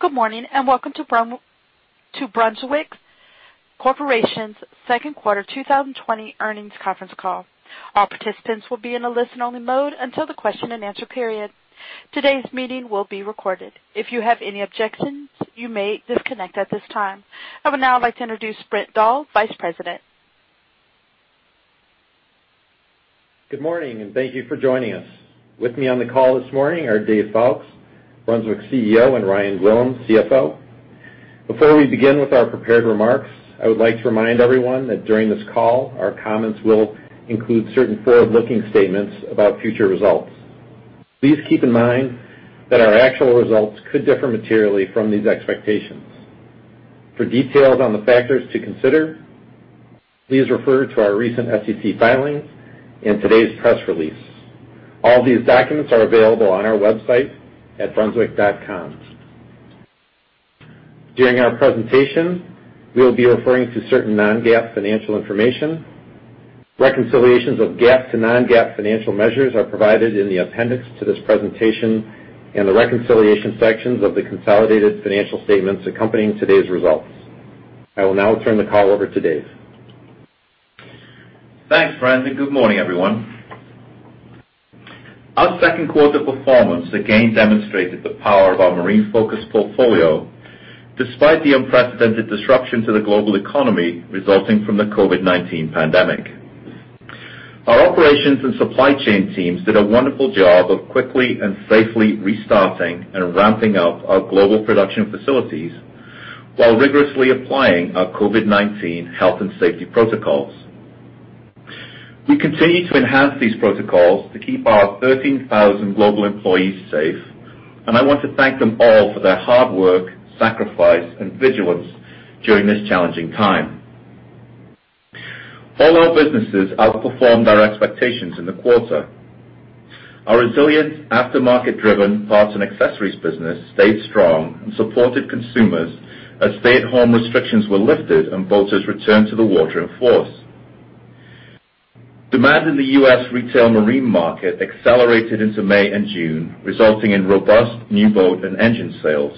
Good morning and welcome to Brunswick Corporation's second quarter 2020 earnings conference call. All participants will be in a listen-only mode until the question and answer period. Today's meeting will be recorded. If you have any objections, you may disconnect at this time. I would now like to introduce Brent Dahl, Vice President. Good morning and thank you for joining us. With me on the call this morning are Dave Foulkes, Brunswick CEO, and Ryan Gwillim, CFO. Before we begin with our prepared remarks, I would like to remind everyone that during this call, our comments will include certain forward-looking statements about future results. Please keep in mind that our actual results could differ materially from these expectations. For details on the factors to consider, please refer to our recent SEC filings and today's press release. All these documents are available on our website at brunswick.com. During our presentation, we will be referring to certain Non-GAAP financial information. Reconciliations of GAAP to Non-GAAP financial measures are provided in the appendix to this presentation and the reconciliation sections of the consolidated financial statements accompanying today's results. I will now turn the call over to Dave. Thanks, Brent, and good morning, everyone. Our second quarter performance again demonstrated the power of our marine-focused portfolio despite the unprecedented disruption to the global economy resulting from the COVID-19 pandemic. Our operations and supply chain teams did a wonderful job of quickly and safely restarting and ramping up our global production facilities while rigorously applying our COVID-19 health and safety protocols. We continue to enhance these protocols to keep our 13,000 global employees safe, and I want to thank them all for their hard work, sacrifice, and vigilance during this challenging time. All our businesses outperformed our expectations in the quarter. Our resilient, after-market-driven parts and accessories business stayed strong and supported consumers as stay-at-home restrictions were lifted and boaters returned to the water in force. Demand in the U.S. retail marine market accelerated into May and June, resulting in robust new boat and engine sales,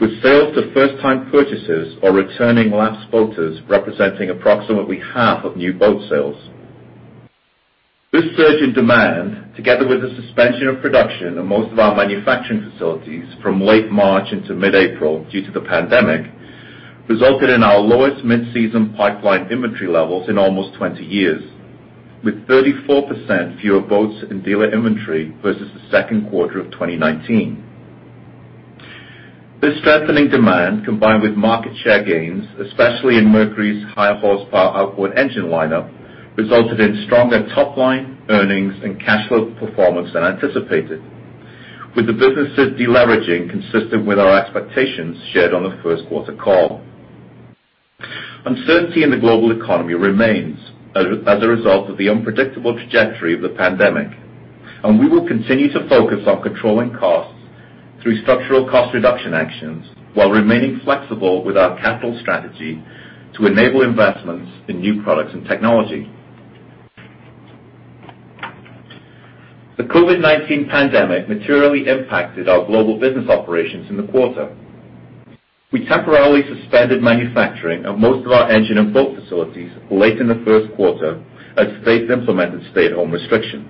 with sales to first-time purchases or returning lapsed boaters representing approximately half of new boat sales. This surge in demand, together with the suspension of production at most of our manufacturing facilities from late March into mid-April due to the pandemic, resulted in our lowest mid-season pipeline inventory levels in almost 20 years, with 34% fewer boats in dealer inventory versus the second quarter of 2019. This strengthening demand, combined with market share gains, especially in Mercury's higher horsepower outboard engine lineup, resulted in stronger top-line earnings and cash flow performance than anticipated, with the businesses deleveraging consistent with our expectations shared on the first quarter call. Uncertainty in the global economy remains as a result of the unpredictable trajectory of the pandemic, and we will continue to focus on controlling costs through structural cost reduction actions while remaining flexible with our capital strategy to enable investments in new products and technology. The COVID-19 pandemic materially impacted our global business operations in the quarter. We temporarily suspended manufacturing at most of our engine and boat facilities late in the first quarter as states implemented stay-at-home restrictions.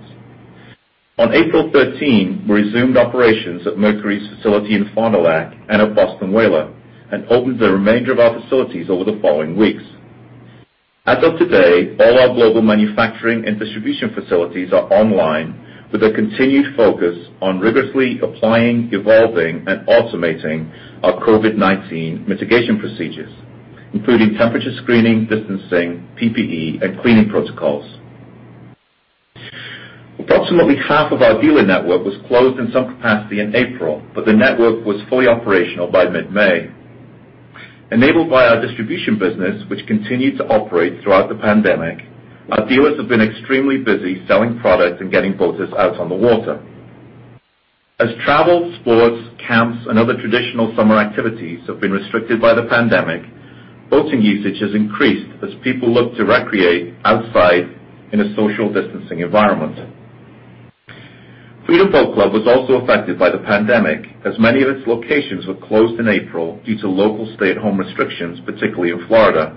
On April 13, we resumed operations at Mercury's facility in Fond du Lac and at Boston Whaler and opened the remainder of our facilities over the following weeks. As of today, all our global manufacturing and distribution facilities are online with a continued focus on rigorously applying, evolving, and automating our COVID-19 mitigation procedures, including temperature screening, distancing, PPE, and cleaning protocols. Approximately half of our dealer network was closed in some capacity in April, but the network was fully operational by mid-May. Enabled by our distribution business, which continued to operate throughout the pandemic, our dealers have been extremely busy selling products and getting boaters out on the water. As travel, sports, camps, and other traditional summer activities have been restricted by the pandemic, boating usage has increased as people look to recreate outside in a social distancing environment. Freedom Boat Club was also affected by the pandemic as many of its locations were closed in April due to local stay-at-home restrictions, particularly in Florida.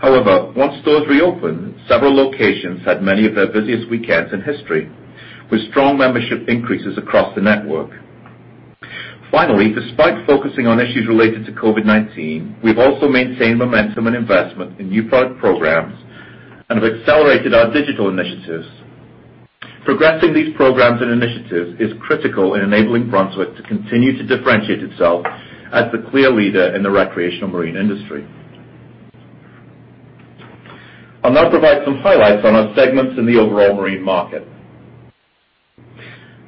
However, once stores reopened, several locations had many of their busiest weekends in history, with strong membership increases across the network. Finally, despite focusing on issues related to COVID-19, we've also maintained momentum and investment in new product programs and have accelerated our digital initiatives. Progressing these programs and initiatives is critical in enabling Brunswick to continue to differentiate itself as the clear leader in the recreational marine industry. I'll now provide some highlights on our segments in the overall marine market.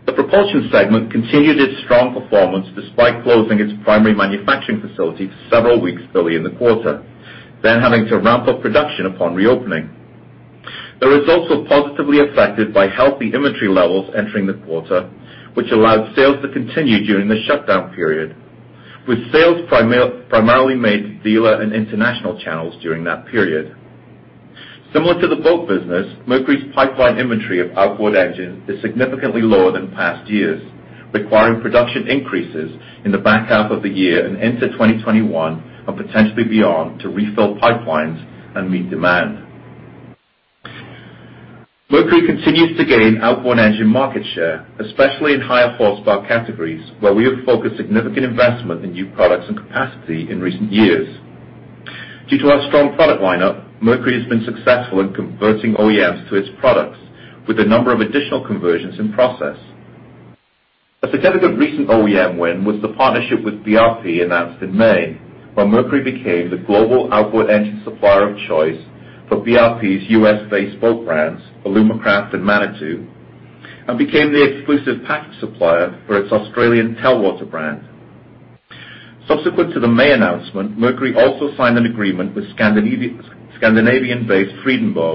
The propulsion segment continued its strong performance despite closing its primary manufacturing facility for several weeks early in the quarter, then having to ramp up production upon reopening. The results were positively affected by healthy inventory levels entering the quarter, which allowed sales to continue during the shutdown period, with sales primarily made to dealer and international channels during that period. Similar to the boat business, Mercury's pipeline inventory of outboard engines is significantly lower than past years, requiring production increases in the back half of the year and into 2021 and potentially beyond to refill pipelines and meet demand. Mercury continues to gain outboard engine market share, especially in higher horsepower categories, where we have focused significant investment in new products and capacity in recent years. Due to our strong product lineup, Mercury has been successful in converting OEMs to its products, with a number of additional conversions in process. A significant recent OEM win was the partnership with BRP announced in May, where Mercury became the global outboard engine supplier of choice for BRP's U.S.-based boat brands, Alumacraft and Manitou, and became the exclusive package supplier for its Australian Telwater brand. Subsequent to the May announcement, Mercury also signed an agreement with Scandinavian-based Frydenbø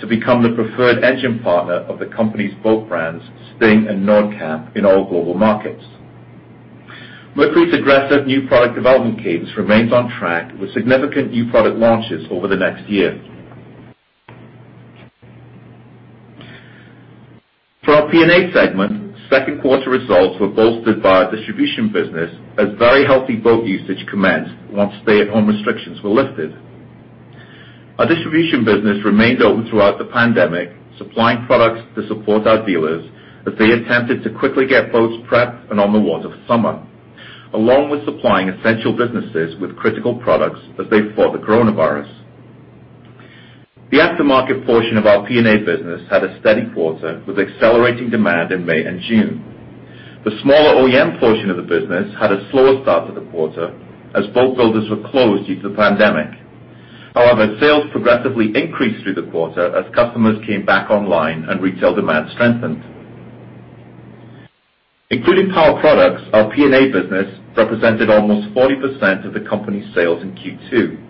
to become the preferred engine partner of the company's boat brands, Sting and Nordkapp, in all global markets. Mercury's aggressive new product development cadence remains on track with significant new product launches over the next year. For our P&A segment, second quarter results were bolstered by our distribution business as very healthy boat usage commenced once stay-at-home restrictions were lifted. Our distribution business remained open throughout the pandemic, supplying products to support our dealers as they attempted to quickly get boats prepped and on the water for summer, along with supplying essential businesses with critical products as they fought the coronavirus. The aftermarket portion of our P&A business had a steady quarter with accelerating demand in May and June. The smaller OEM portion of the business had a slower start to the quarter as boat builders were closed due to the pandemic. However, sales progressively increased through the quarter as customers came back online and retail demand strengthened. Including Power Products, our P&A business represented almost 40% of the company's sales in Q2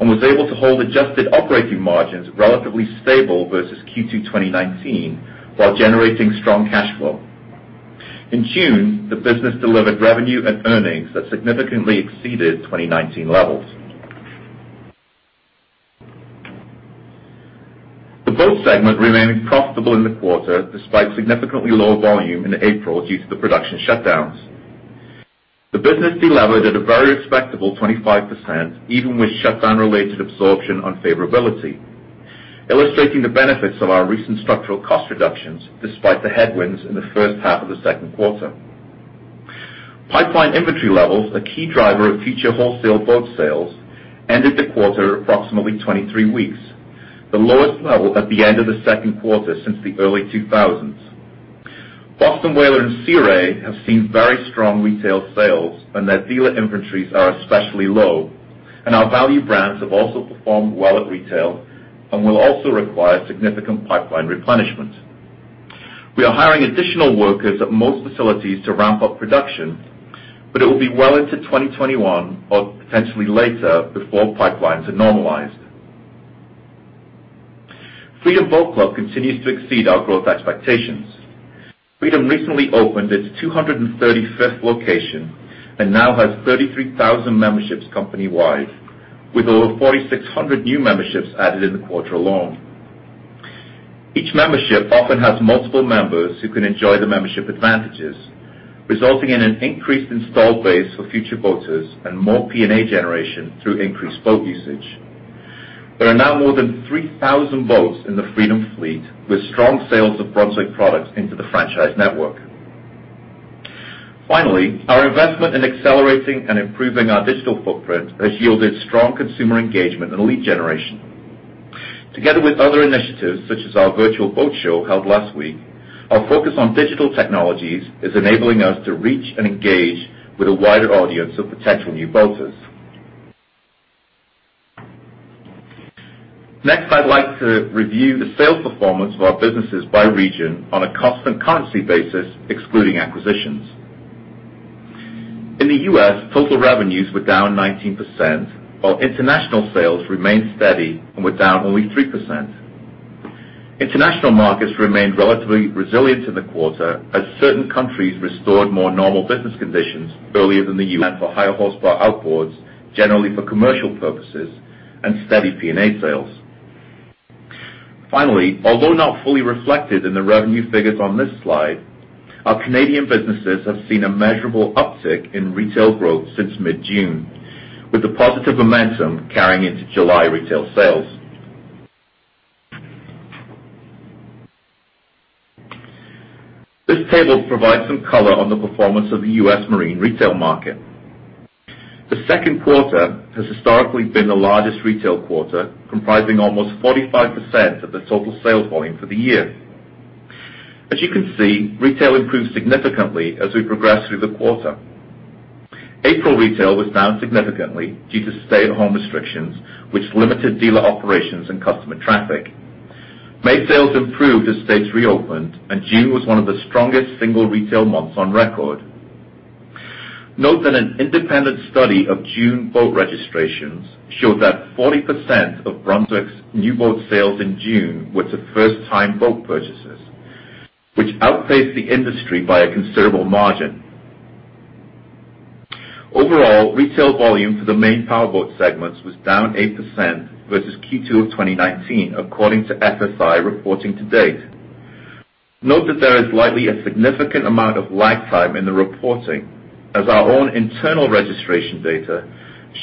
and was able to hold adjusted operating margins relatively stable versus Q2 2019 while generating strong cash flow. In June, the business delivered revenue and earnings that significantly exceeded 2019 levels. The boat segment remained profitable in the quarter despite significantly lower volume in April due to the production shutdowns. The business deleveraged at a very respectable 25%, even with shutdown-related absorption unfavorability, illustrating the benefits of our recent structural cost reductions despite the headwinds in the first half of the second quarter. Pipeline Inventory levels, a key driver of future wholesale boat sales, ended the quarter at approximately 23 weeks, the lowest level at the end of the second quarter since the early 2000s. Boston Whaler and Sea Ray have seen very strong retail sales, and their dealer inventories are especially low, and our value brands have also performed well at retail and will also require significant pipeline replenishment. We are hiring additional workers at most facilities to ramp up production, but it will be well into 2021 or potentially later before pipelines are normalized. Freedom Boat Club continues to exceed our growth expectations. Freedom recently opened its 235th location and now has 33,000 memberships company-wide, with over 4,600 new memberships added in the quarter alone. Each membership often has multiple members who can enjoy the membership advantages, resulting in an increased installed base for future boaters and more P&A generation through increased boat usage. There are now more than 3,000 boats in the Freedom fleet, with strong sales of Brunswick products into the franchise network. Finally, our investment in accelerating and improving our digital footprint has yielded strong consumer engagement and lead generation. Together with other initiatives such as our virtual boat show held last week, our focus on digital technologies is enabling us to reach and engage with a wider audience of potential new boaters. Next, I'd like to review the sales performance of our businesses by region on a cost and currency basis, excluding acquisitions. In the U.S., total revenues were down 19%, while international sales remained steady and were down only 3%. International markets remained relatively resilient in the quarter as certain countries restored more normal business conditions earlier than the U.S. For higher horsepower outboards, generally for commercial purposes, and steady P&A sales. Finally, although not fully reflected in the revenue figures on this slide, our Canadian businesses have seen a measurable uptick in retail growth since mid-June, with the positive momentum carrying into July retail sales. This table provides some color on the performance of the U.S. marine retail market. The second quarter has historically been the largest retail quarter, comprising almost 45% of the total sales volume for the year. As you can see, retail improved significantly as we progressed through the quarter. April retail was down significantly due to stay-at-home restrictions, which limited dealer operations and customer traffic. May sales improved as states reopened, and June was one of the strongest single retail months on record. Note that an independent study of June boat registrations showed that 40% of Brunswick's new boat sales in June were to first-time boat purchases, which outpaced the industry by a considerable margin. Overall, retail volume for the main power boat segments was down 8% versus Q2 of 2019, according to SSI reporting to date. Note that there is likely a significant amount of lag time in the reporting, as our own internal registration data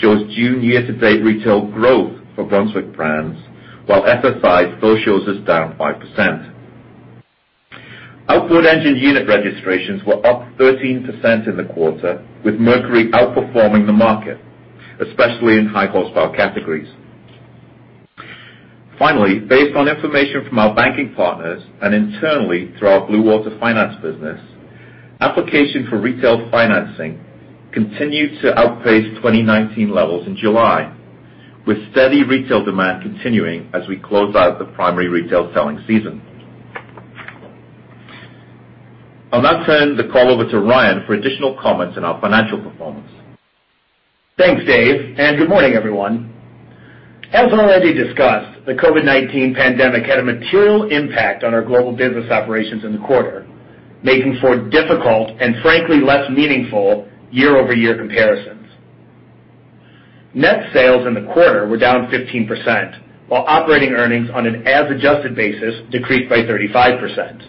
shows June year-to-date retail growth for Brunswick brands, while FSI still shows us down 5%. Outboard engine unit registrations were up 13% in the quarter, with Mercury outperforming the market, especially in high horsepower categories. Finally, based on information from our banking partners and internally through our Blue Water Finance business, application for retail financing continued to outpace 2019 levels in July, with steady retail demand continuing as we close out the primary retail selling season. I'll now turn the call over to Ryan for additional comments on our financial performance. Thanks, Dave, and good morning, everyone. As already discussed, the COVID-19 pandemic had a material impact on our global business operations in the quarter, making for difficult and, frankly, less meaningful year-over-year comparisons. Net sales in the quarter were down 15%, while operating earnings on an as-adjusted basis decreased by 35%.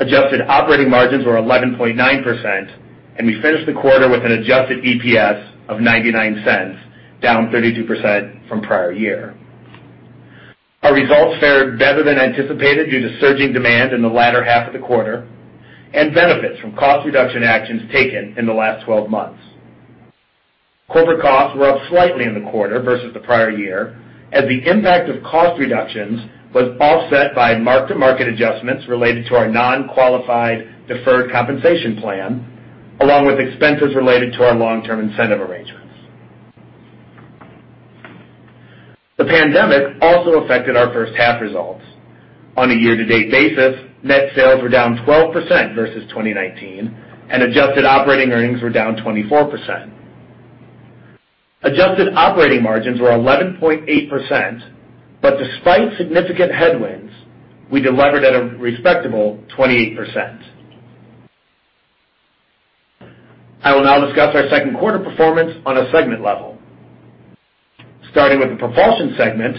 Adjusted operating margins were 11.9%, and we finished the quarter with an adjusted EPS of $0.99, down 32% from prior year. Our results fared better than anticipated due to surging demand in the latter half of the quarter and benefits from cost reduction actions taken in the last 12 months. Corporate costs were up slightly in the quarter versus the prior year, as the impact of cost reductions was offset by mark-to-market adjustments related to our non-qualified deferred compensation plan, along with expenses related to our long-term incentive arrangements. The pandemic also affected our first-half results. On a year-to-date basis, net sales were down 12% versus 2019, and adjusted operating earnings were down 24%. Adjusted operating margins were 11.8%, but despite significant headwinds, we delivered at a respectable 28%. I will now discuss our second quarter performance on a segment level. Starting with the propulsion segment,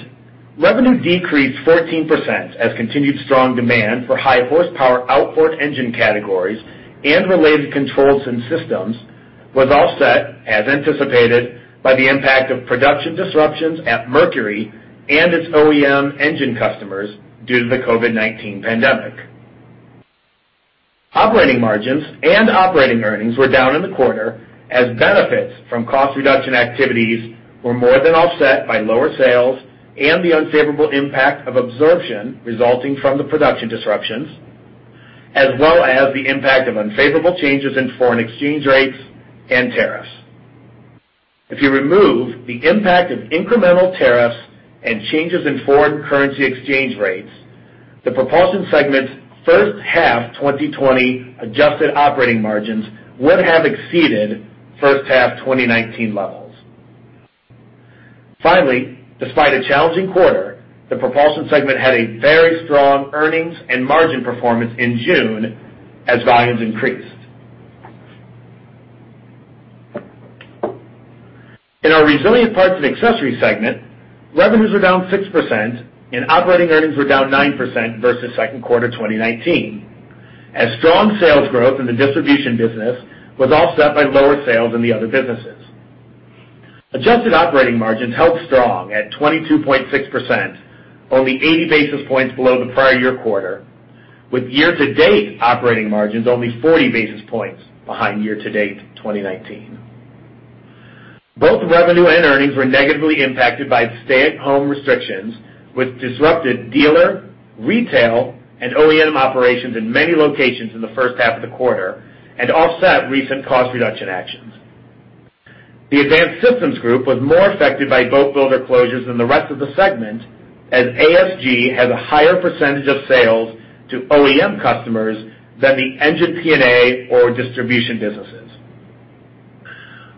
revenue decreased 14% as continued strong demand for high horsepower outboard engine categories and related controls and systems was offset, as anticipated, by the impact of production disruptions at Mercury and its OEM engine customers due to the COVID-19 pandemic. Operating margins and operating earnings were down in the quarter as benefits from cost reduction activities were more than offset by lower sales and the unfavorable impact of absorption resulting from the production disruptions, as well as the impact of unfavorable changes in foreign exchange rates and tariffs. If you remove the impact of incremental tariffs and changes in foreign currency exchange rates, the propulsion segment's first half 2020 adjusted operating margins would have exceeded first half 2019 levels. Finally, despite a challenging quarter, the propulsion segment had a very strong earnings and margin performance in June as volumes increased. In our resilient parts and accessories segment, revenues were down 6%, and operating earnings were down 9% versus second quarter 2019, as strong sales growth in the distribution business was offset by lower sales in the other businesses. Adjusted operating margins held strong at 22.6%, only 80 basis points below the prior year quarter, with year-to-date operating margins only 40 basis points behind year-to-date 2019. Both revenue and earnings were negatively impacted by stay-at-home restrictions, which disrupted dealer, retail, and OEM operations in many locations in the first half of the quarter and offset recent cost reduction actions. The Advanced Systems Group was more affected by boat builder closures than the rest of the segment, as ASG has a higher percentage of sales to OEM customers than the engine P&A or distribution businesses.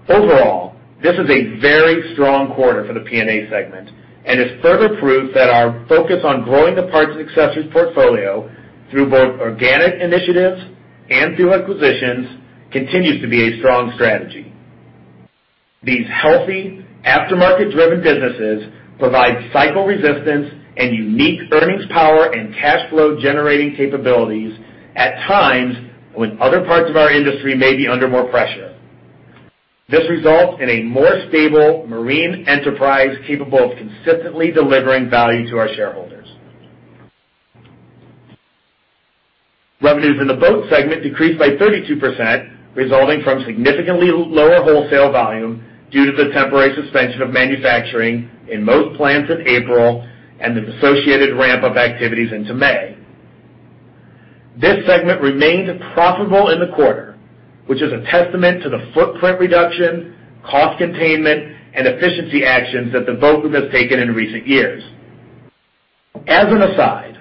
Overall, this is a very strong quarter for the P&A segment and is further proof that our focus on growing the parts and accessories portfolio through both organic initiatives and through acquisitions continues to be a strong strategy. These healthy, aftermarket-driven businesses provide cycle resistance and unique earnings power and cash flow-generating capabilities at times when other parts of our industry may be under more pressure. This results in a more stable marine enterprise capable of consistently delivering value to our shareholders. Revenues in the boat segment decreased by 32%, resulting from significantly lower wholesale volume due to the temporary suspension of manufacturing in most plants in April and the associated ramp-up activities into May. This segment remained profitable in the quarter, which is a testament to the footprint reduction, cost containment, and efficiency actions that the boat group has taken in recent years. As an aside,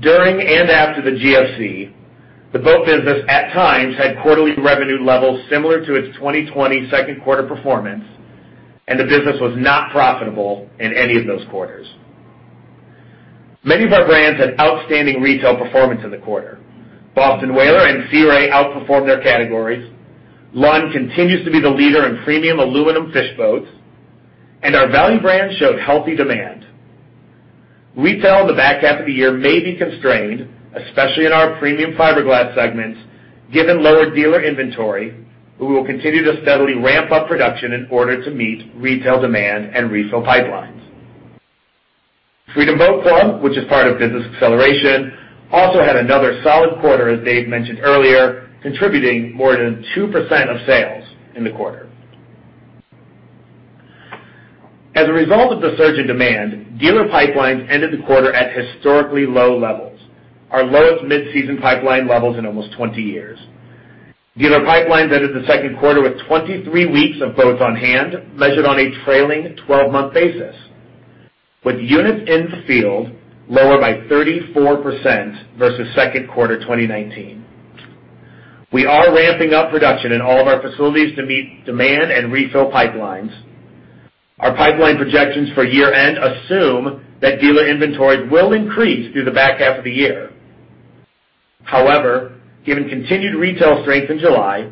during and after the GFC, the boat business at times had quarterly revenue levels similar to its 2020 second quarter performance, and the business was not profitable in any of those quarters. Many of our brands had outstanding retail performance in the quarter. Boston Whaler and Sea Ray outperformed their categories. Lund continues to be the leader in premium aluminum fish boats, and our value brand showed healthy demand. Retail in the back half of the year may be constrained, especially in our premium fiberglass segments, given lower dealer inventory, but we will continue to steadily ramp up production in order to meet retail demand and refill pipelines. Freedom Boat Club, which is part of Business Acceleration, also had another solid quarter, as Dave mentioned earlier, contributing more than 2% of sales in the quarter. As a result of the surge in demand, dealer pipelines ended the quarter at historically low levels, our lowest mid-season pipeline levels in almost 20 years. Dealer pipelines ended the second quarter with 23 weeks of boats on hand, measured on a trailing 12-month basis, with units in the field lower by 34% versus second quarter 2019. We are ramping up production in all of our facilities to meet demand and refill pipelines. Our pipeline projections for year-end assume that dealer inventories will increase through the back half of the year. However, given continued retail strength in July,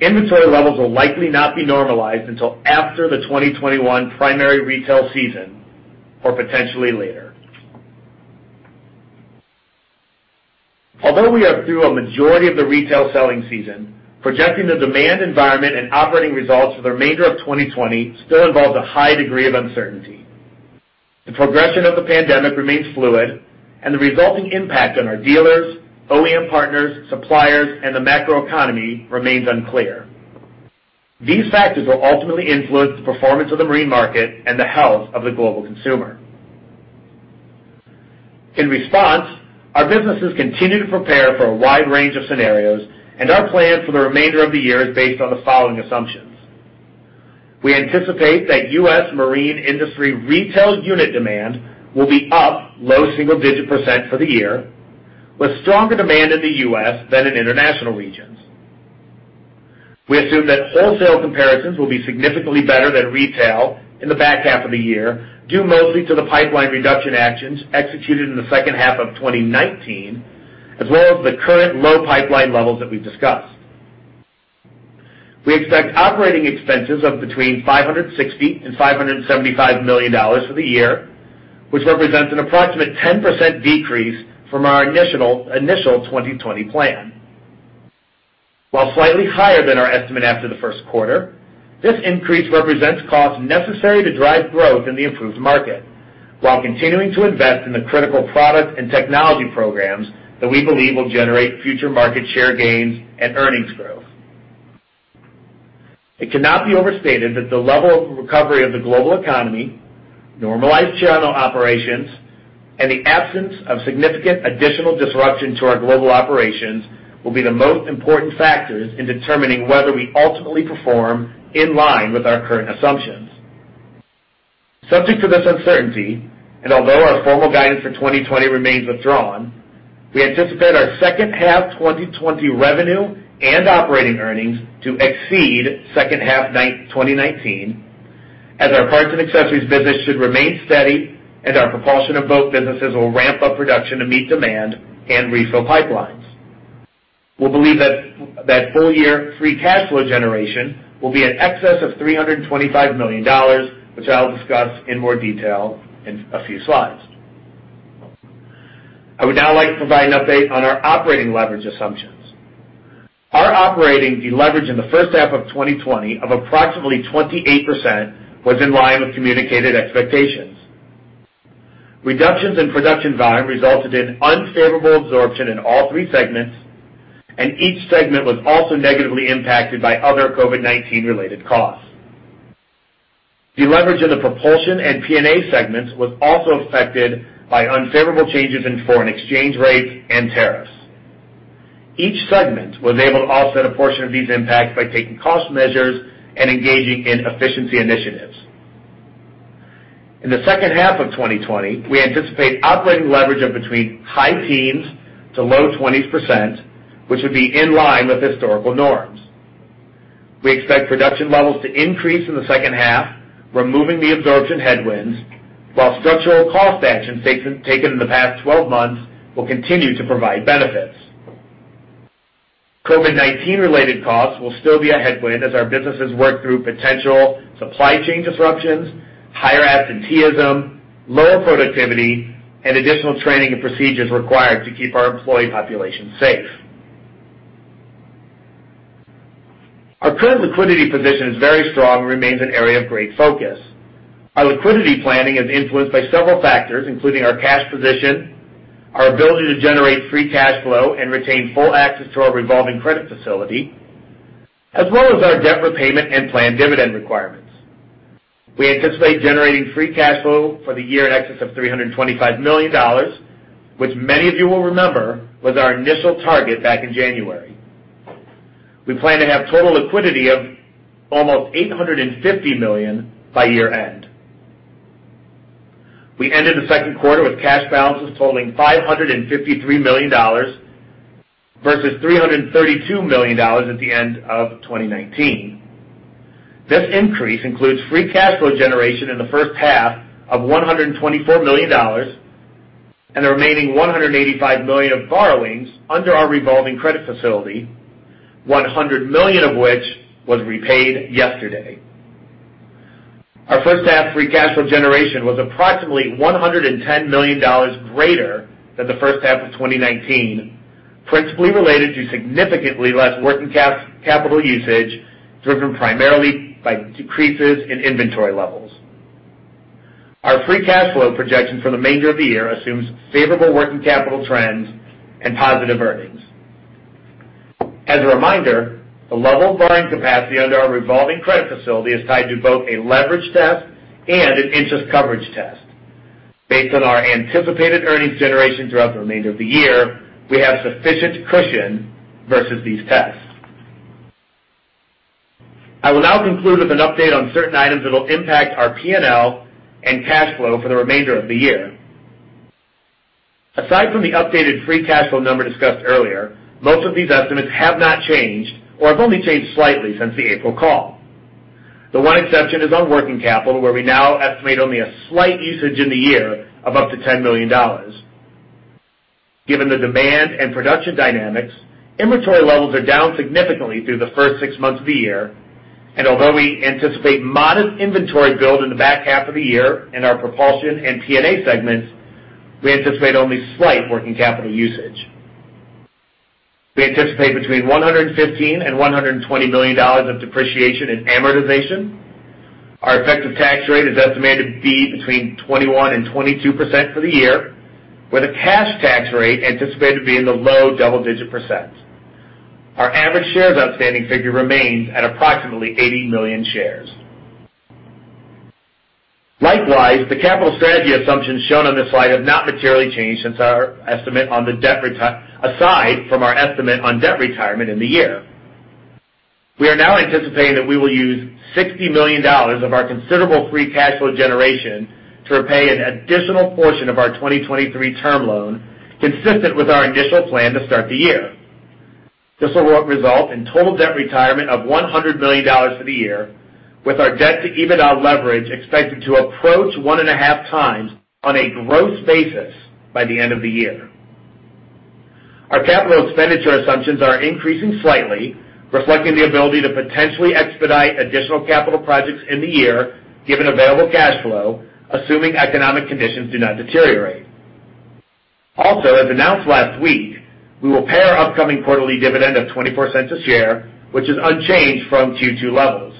inventory levels will likely not be normalized until after the 2021 primary retail season or potentially later. Although we are through a majority of the retail selling season, projecting the demand environment and operating results for the remainder of 2020 still involves a high degree of uncertainty. The progression of the pandemic remains fluid, and the resulting impact on our dealers, OEM partners, suppliers, and the macroeconomy remains unclear. These factors will ultimately influence the performance of the marine market and the health of the global consumer. In response, our businesses continue to prepare for a wide range of scenarios, and our plan for the remainder of the year is based on the following assumptions. We anticipate that U.S. marine industry retail unit demand will be up low single-digit % for the year, with stronger demand in the U.S. than in international regions. We assume that wholesale comparisons will be significantly better than retail in the back half of the year due mostly to the pipeline reduction actions executed in the second half of 2019, as well as the current low pipeline levels that we've discussed. We expect operating expenses of between $560 and $575 million for the year, which represents an approximate 10% decrease from our initial 2020 plan. While slightly higher than our estimate after the first quarter, this increase represents costs necessary to drive growth in the improved market, while continuing to invest in the critical product and technology programs that we believe will generate future market share gains and earnings growth. It cannot be overstated that the level of recovery of the global economy, normalized channel operations, and the absence of significant additional disruption to our global operations will be the most important factors in determining whether we ultimately perform in line with our current assumptions. Subject to this uncertainty, and although our formal guidance for 2020 remains withdrawn, we anticipate our second half 2020 revenue and operating earnings to exceed second half 2019, as our parts and accessories business should remain steady and our propulsion and boat businesses will ramp up production to meet demand and refill pipelines. We believe that full-year free cash flow generation will be in excess of $325 million, which I'll discuss in more detail in a few slides. I would now like to provide an update on our operating leverage assumptions. Our operating deleverage in the first half of 2020 of approximately 28% was in line with communicated expectations. Reductions in production volume resulted in unfavorable absorption in all three segments, and each segment was also negatively impacted by other COVID-19-related costs. Deleverage in the propulsion and P&A segments was also affected by unfavorable changes in foreign exchange rates and tariffs. Each segment was able to offset a portion of these impacts by taking cost measures and engaging in efficiency initiatives. In the second half of 2020, we anticipate operating leverage of between high teens to low 20%, which would be in line with historical norms. We expect production levels to increase in the second half, removing the absorption headwinds, while structural cost actions taken in the past 12 months will continue to provide benefits. COVID-19-related costs will still be a headwind as our businesses work through potential supply chain disruptions, higher absenteeism, lower productivity, and additional training and procedures required to keep our employee population safe. Our current liquidity position is very strong and remains an area of great focus. Our liquidity planning is influenced by several factors, including our cash position, our ability to generate free cash flow, and retain full access to our revolving credit facility, as well as our debt repayment and planned dividend requirements. We anticipate generating free cash flow for the year in excess of $325 million, which many of you will remember was our initial target back in January. We plan to have total liquidity of almost $850 million by year-end. We ended the second quarter with cash balances totaling $553 million versus $332 million at the end of 2019. This increase includes free cash flow generation in the first half of $124 million and the remaining $185 million of borrowings under our revolving credit facility, $100 million of which was repaid yesterday. Our first-half free cash flow generation was approximately $110 million greater than the first half of 2019, principally related to significantly less working capital usage driven primarily by decreases in inventory levels. Our free cash flow projection for the remainder of the year assumes favorable working capital trends and positive earnings. As a reminder, the level of borrowing capacity under our revolving credit facility is tied to both a leverage test and an interest coverage test. Based on our anticipated earnings generation throughout the remainder of the year, we have sufficient cushion versus these tests. I will now conclude with an update on certain items that will impact our P&L and cash flow for the remainder of the year. Aside from the updated free cash flow number discussed earlier, most of these estimates have not changed or have only changed slightly since the April call. The one exception is on working capital, where we now estimate only a slight usage in the year of up to $10 million. Given the demand and production dynamics, inventory levels are down significantly through the first six months of the year, and although we anticipate modest inventory build in the back half of the year in our propulsion and P&A segments, we anticipate only slight working capital usage. We anticipate between $115 and $120 million of depreciation and amortization. Our effective tax rate is estimated to be between 21%-22% for the year, with a cash tax rate anticipated to be in the low double-digit %. Our average shares outstanding figure remains at approximately 80 million shares. Likewise, the capital strategy assumptions shown on this slide have not materially changed since our estimate on the debt aside from our estimate on debt retirement in the year. We are now anticipating that we will use $60 million of our considerable free cash flow generation to repay an additional portion of our 2023 term loan consistent with our initial plan to start the year. This will result in total debt retirement of $100 million for the year, with our debt-to-EBITDA leverage expected to approach one and a half times on a gross basis by the end of the year. Our capital expenditure assumptions are increasing slightly, reflecting the ability to potentially expedite additional capital projects in the year given available cash flow, assuming economic conditions do not deteriorate. Also, as announced last week, we will pay our upcoming quarterly dividend of $0.24 a share, which is unchanged from Q2 levels.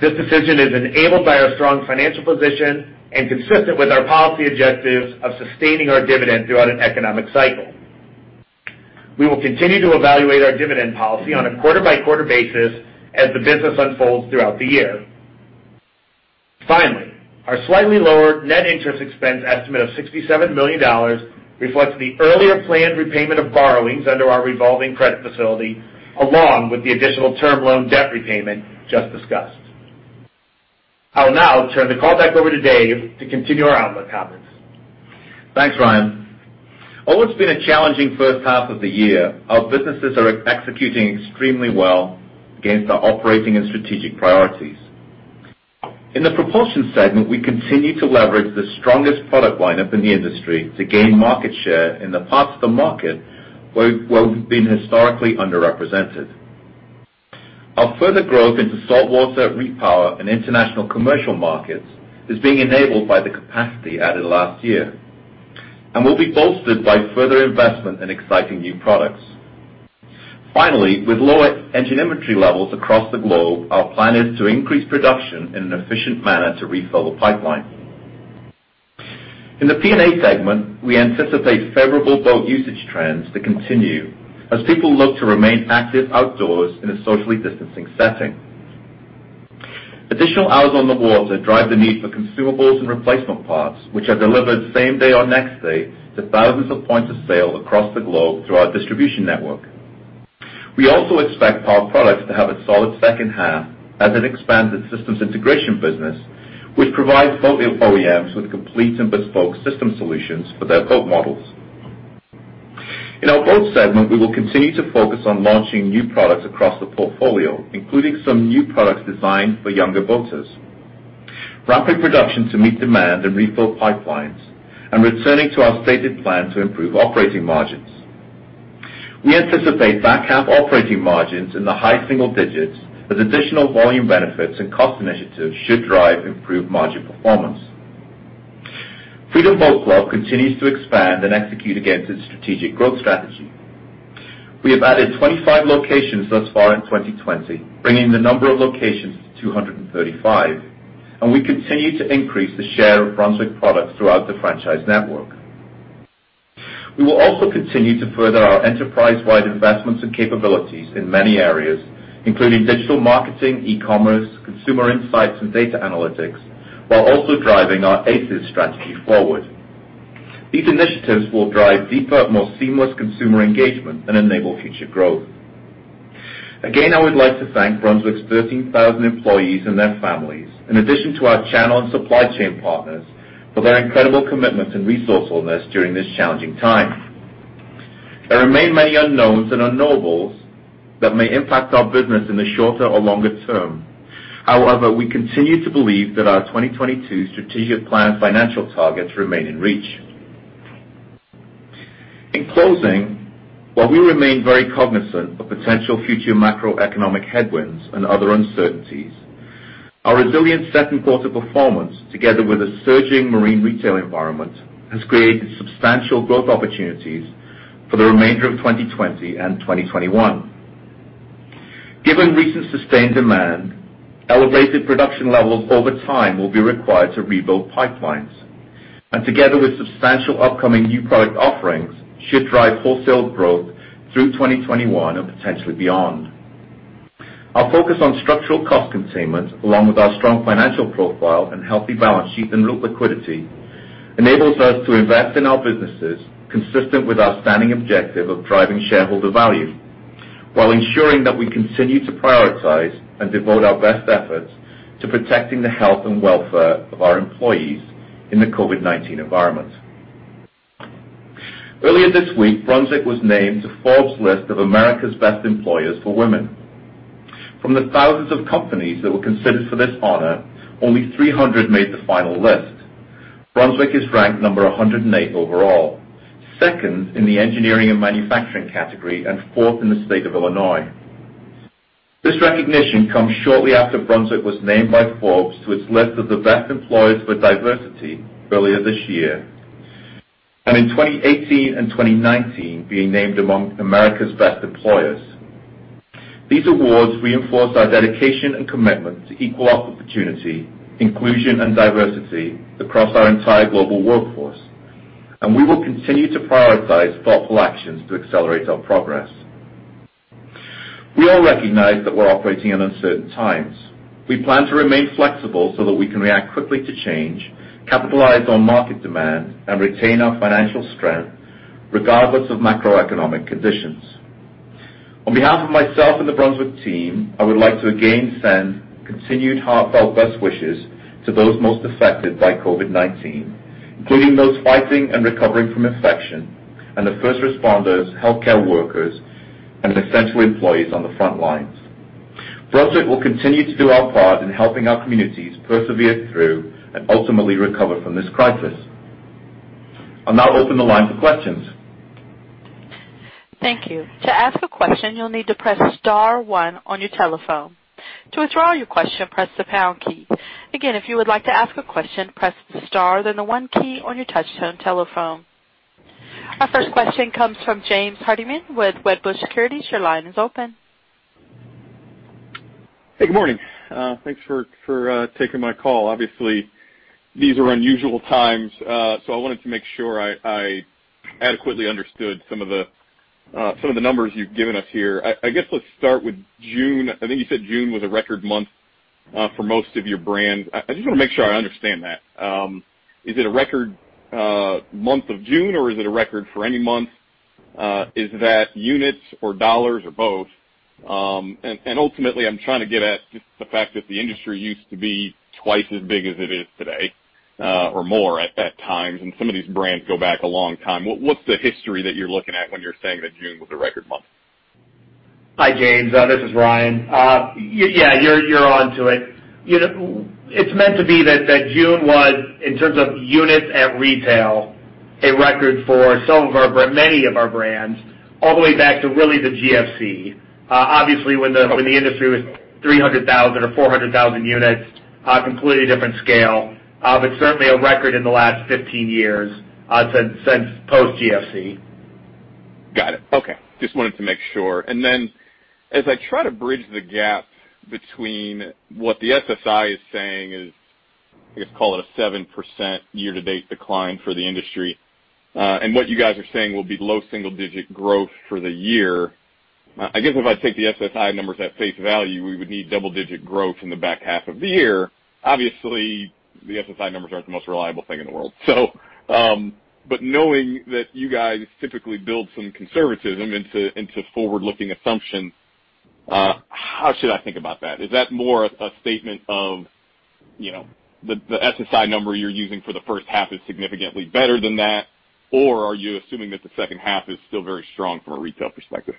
This decision is enabled by our strong financial position and consistent with our policy objectives of sustaining our dividend throughout an economic cycle. We will continue to evaluate our dividend policy on a quarter-by-quarter basis as the business unfolds throughout the year. Finally, our slightly lower net interest expense estimate of $67 million reflects the earlier planned repayment of borrowings under our revolving credit facility, along with the additional term loan debt repayment just discussed. I will now turn the call back over to Dave to continue our outlook comments. Thanks, Ryan. Although it's been a challenging first half of the year, our businesses are executing extremely well against our operating and strategic priorities. In the propulsion segment, we continue to leverage the strongest product lineup in the industry to gain market share in the parts of the market where we've been historically underrepresented. Our further growth into saltwater, repower, and international commercial markets is being enabled by the capacity added last year, and will be bolstered by further investment in exciting new products. Finally, with lower engine inventory levels across the globe, our plan is to increase production in an efficient manner to refill the pipeline. In the P&A segment, we anticipate favorable boat usage trends to continue as people look to remain active outdoors in a social distancing setting. Additional hours on the water drive the need for consumables and replacement parts, which are delivered same day or next day to thousands of points of sale across the globe through our distribution network. We also expect Power Products to have a solid second half as it expands its systems integration business, which provides boat OEMs with complete and bespoke system solutions for their boat models. In our boat segment, we will continue to focus on launching new products across the portfolio, including some new products designed for younger boaters, ramping production to meet demand and refill pipelines, and returning to our stated plan to improve operating margins. We anticipate back half operating margins in the high single digits as additional volume benefits and cost initiatives should drive improved margin performance. Freedom Boat Club continues to expand and execute against its strategic growth strategy. We have added 25 locations thus far in 2020, bringing the number of locations to 235, and we continue to increase the share of Brunswick products throughout the franchise network. We will also continue to further our enterprise-wide investments and capabilities in many areas, including digital marketing, e-commerce, consumer insights, and data analytics, while also driving our ACES strategy forward. These initiatives will drive deeper, more seamless consumer engagement and enable future growth. Again, I would like to thank Brunswick's 13,000 employees and their families, in addition to our channel and supply chain partners, for their incredible commitment and resourcefulness during this challenging time. There remain many unknowns and unknowables that may impact our business in the shorter or longer term. However, we continue to believe that our 2022 strategic plan financial targets remain in reach. In closing, while we remain very cognizant of potential future macroeconomic headwinds and other uncertainties, our resilient second quarter performance, together with a surging marine retail environment, has created substantial growth opportunities for the remainder of 2020 and 2021. Given recent sustained demand, elevated production levels over time will be required to rebuild pipelines, and together with substantial upcoming new product offerings, should drive wholesale growth through 2021 and potentially beyond. Our focus on structural cost containment, along with our strong financial profile and healthy balance sheet and liquidity, enables us to invest in our businesses consistent with our standing objective of driving shareholder value, while ensuring that we continue to prioritize and devote our best efforts to protecting the health and welfare of our employees in the COVID-19 environment. Earlier this week, Brunswick was named to Forbes' list of America's Best Employers for Women. From the thousands of companies that were considered for this honor, only 300 made the final list. Brunswick is ranked number 108 overall, second in the engineering and manufacturing category, and fourth in the state of Illinois. This recognition comes shortly after Brunswick was named by Forbes to its list of the best employers for diversity earlier this year, and in 2018 and 2019, being named among America's Best Employers. These awards reinforce our dedication and commitment to equal opportunity, inclusion, and diversity across our entire global workforce, and we will continue to prioritize thoughtful actions to accelerate our progress. We all recognize that we're operating in uncertain times. We plan to remain flexible so that we can react quickly to change, capitalize on market demand, and retain our financial strength regardless of macroeconomic conditions. On behalf of myself and the Brunswick team, I would like to again send continued heartfelt best wishes to those most affected by COVID-19, including those fighting and recovering from infection, and the first responders, healthcare workers, and essential employees on the front lines. Brunswick will continue to do our part in helping our communities persevere through and ultimately recover from this crisis. I'll now open the line for questions. Thank you. To ask a question, you'll need to press star one on your telephone. To withdraw your question, press the pound key. Again, if you would like to ask a question, press the star, then the one key on your touch-tone telephone. Our first question comes from James Hardiman with Wedbush Securities. Your line is open. Hey, good morning. Thanks for taking my call. Obviously, these are unusual times, so I wanted to make sure I adequately understood some of the numbers you've given us here. I guess let's start with June. I think you said June was a record month for most of your brand. I just want to make sure I understand that. Is it a record month of June, or is it a record for any month? Is that units or dollars or both? And ultimately, I'm trying to get at just the fact that the industry used to be twice as big as it is today, or more at times, and some of these brands go back a long time. What's the history that you're looking at when you're saying that June was a record month? Hi, James. This is Ryan. Yeah, you're on to it. It's meant to be that June was, in terms of units and retail, a record for many of our brands, all the way back to really the GFC. Obviously, when the industry was 300,000 or 400,000 units, a completely different scale, but certainly a record in the last 15 years since post-GFC. Got it. Okay. Just wanted to make sure. And then, as I try to bridge the gap between what the SSI is saying is, I guess, call it a 7% year-to-date decline for the industry, and what you guys are saying will be low single-digit growth for the year, I guess if I take the SSI numbers at face value, we would need double-digit growth in the back half of the year. Obviously, the SSI numbers aren't the most reliable thing in the world. But knowing that you guys typically build some conservatism into forward-looking assumptions, how should I think about that? Is that more a statement of the SSI number you're using for the first half is significantly better than that, or are you assuming that the second half is still very strong from a retail perspective?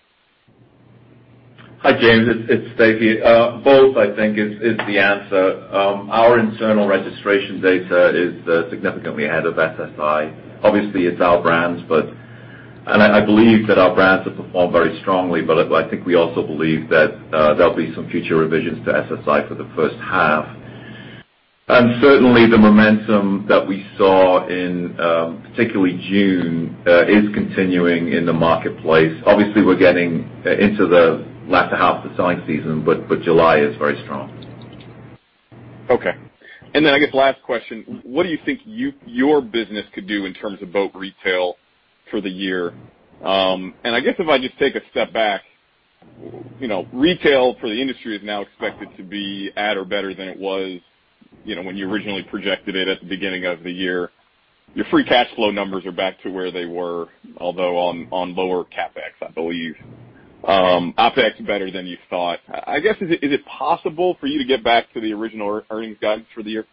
Hi, James. It's Dave here. Both, I think, is the answer. Our internal registration data is significantly ahead of SSI. Obviously, it's our brands, and I believe that our brands have performed very strongly, but I think we also believe that there'll be some future revisions to SSI for the first half. And certainly, the momentum that we saw in particularly June is continuing in the marketplace. Obviously, we're getting into the latter half of the selling season, but July is very strong. Okay. Then, I guess last question, what do you think your business could do in terms of boat retail for the year? And I guess if I just take a step back, retail for the industry is now expected to be at or better than it was when you originally projected it at the beginning of the year. Your free cash flow numbers are back to where they were, although on lower CapEx, I believe. OpEx better than you thought. I guess, is it possible for you to get back to the original earnings guidance for the year?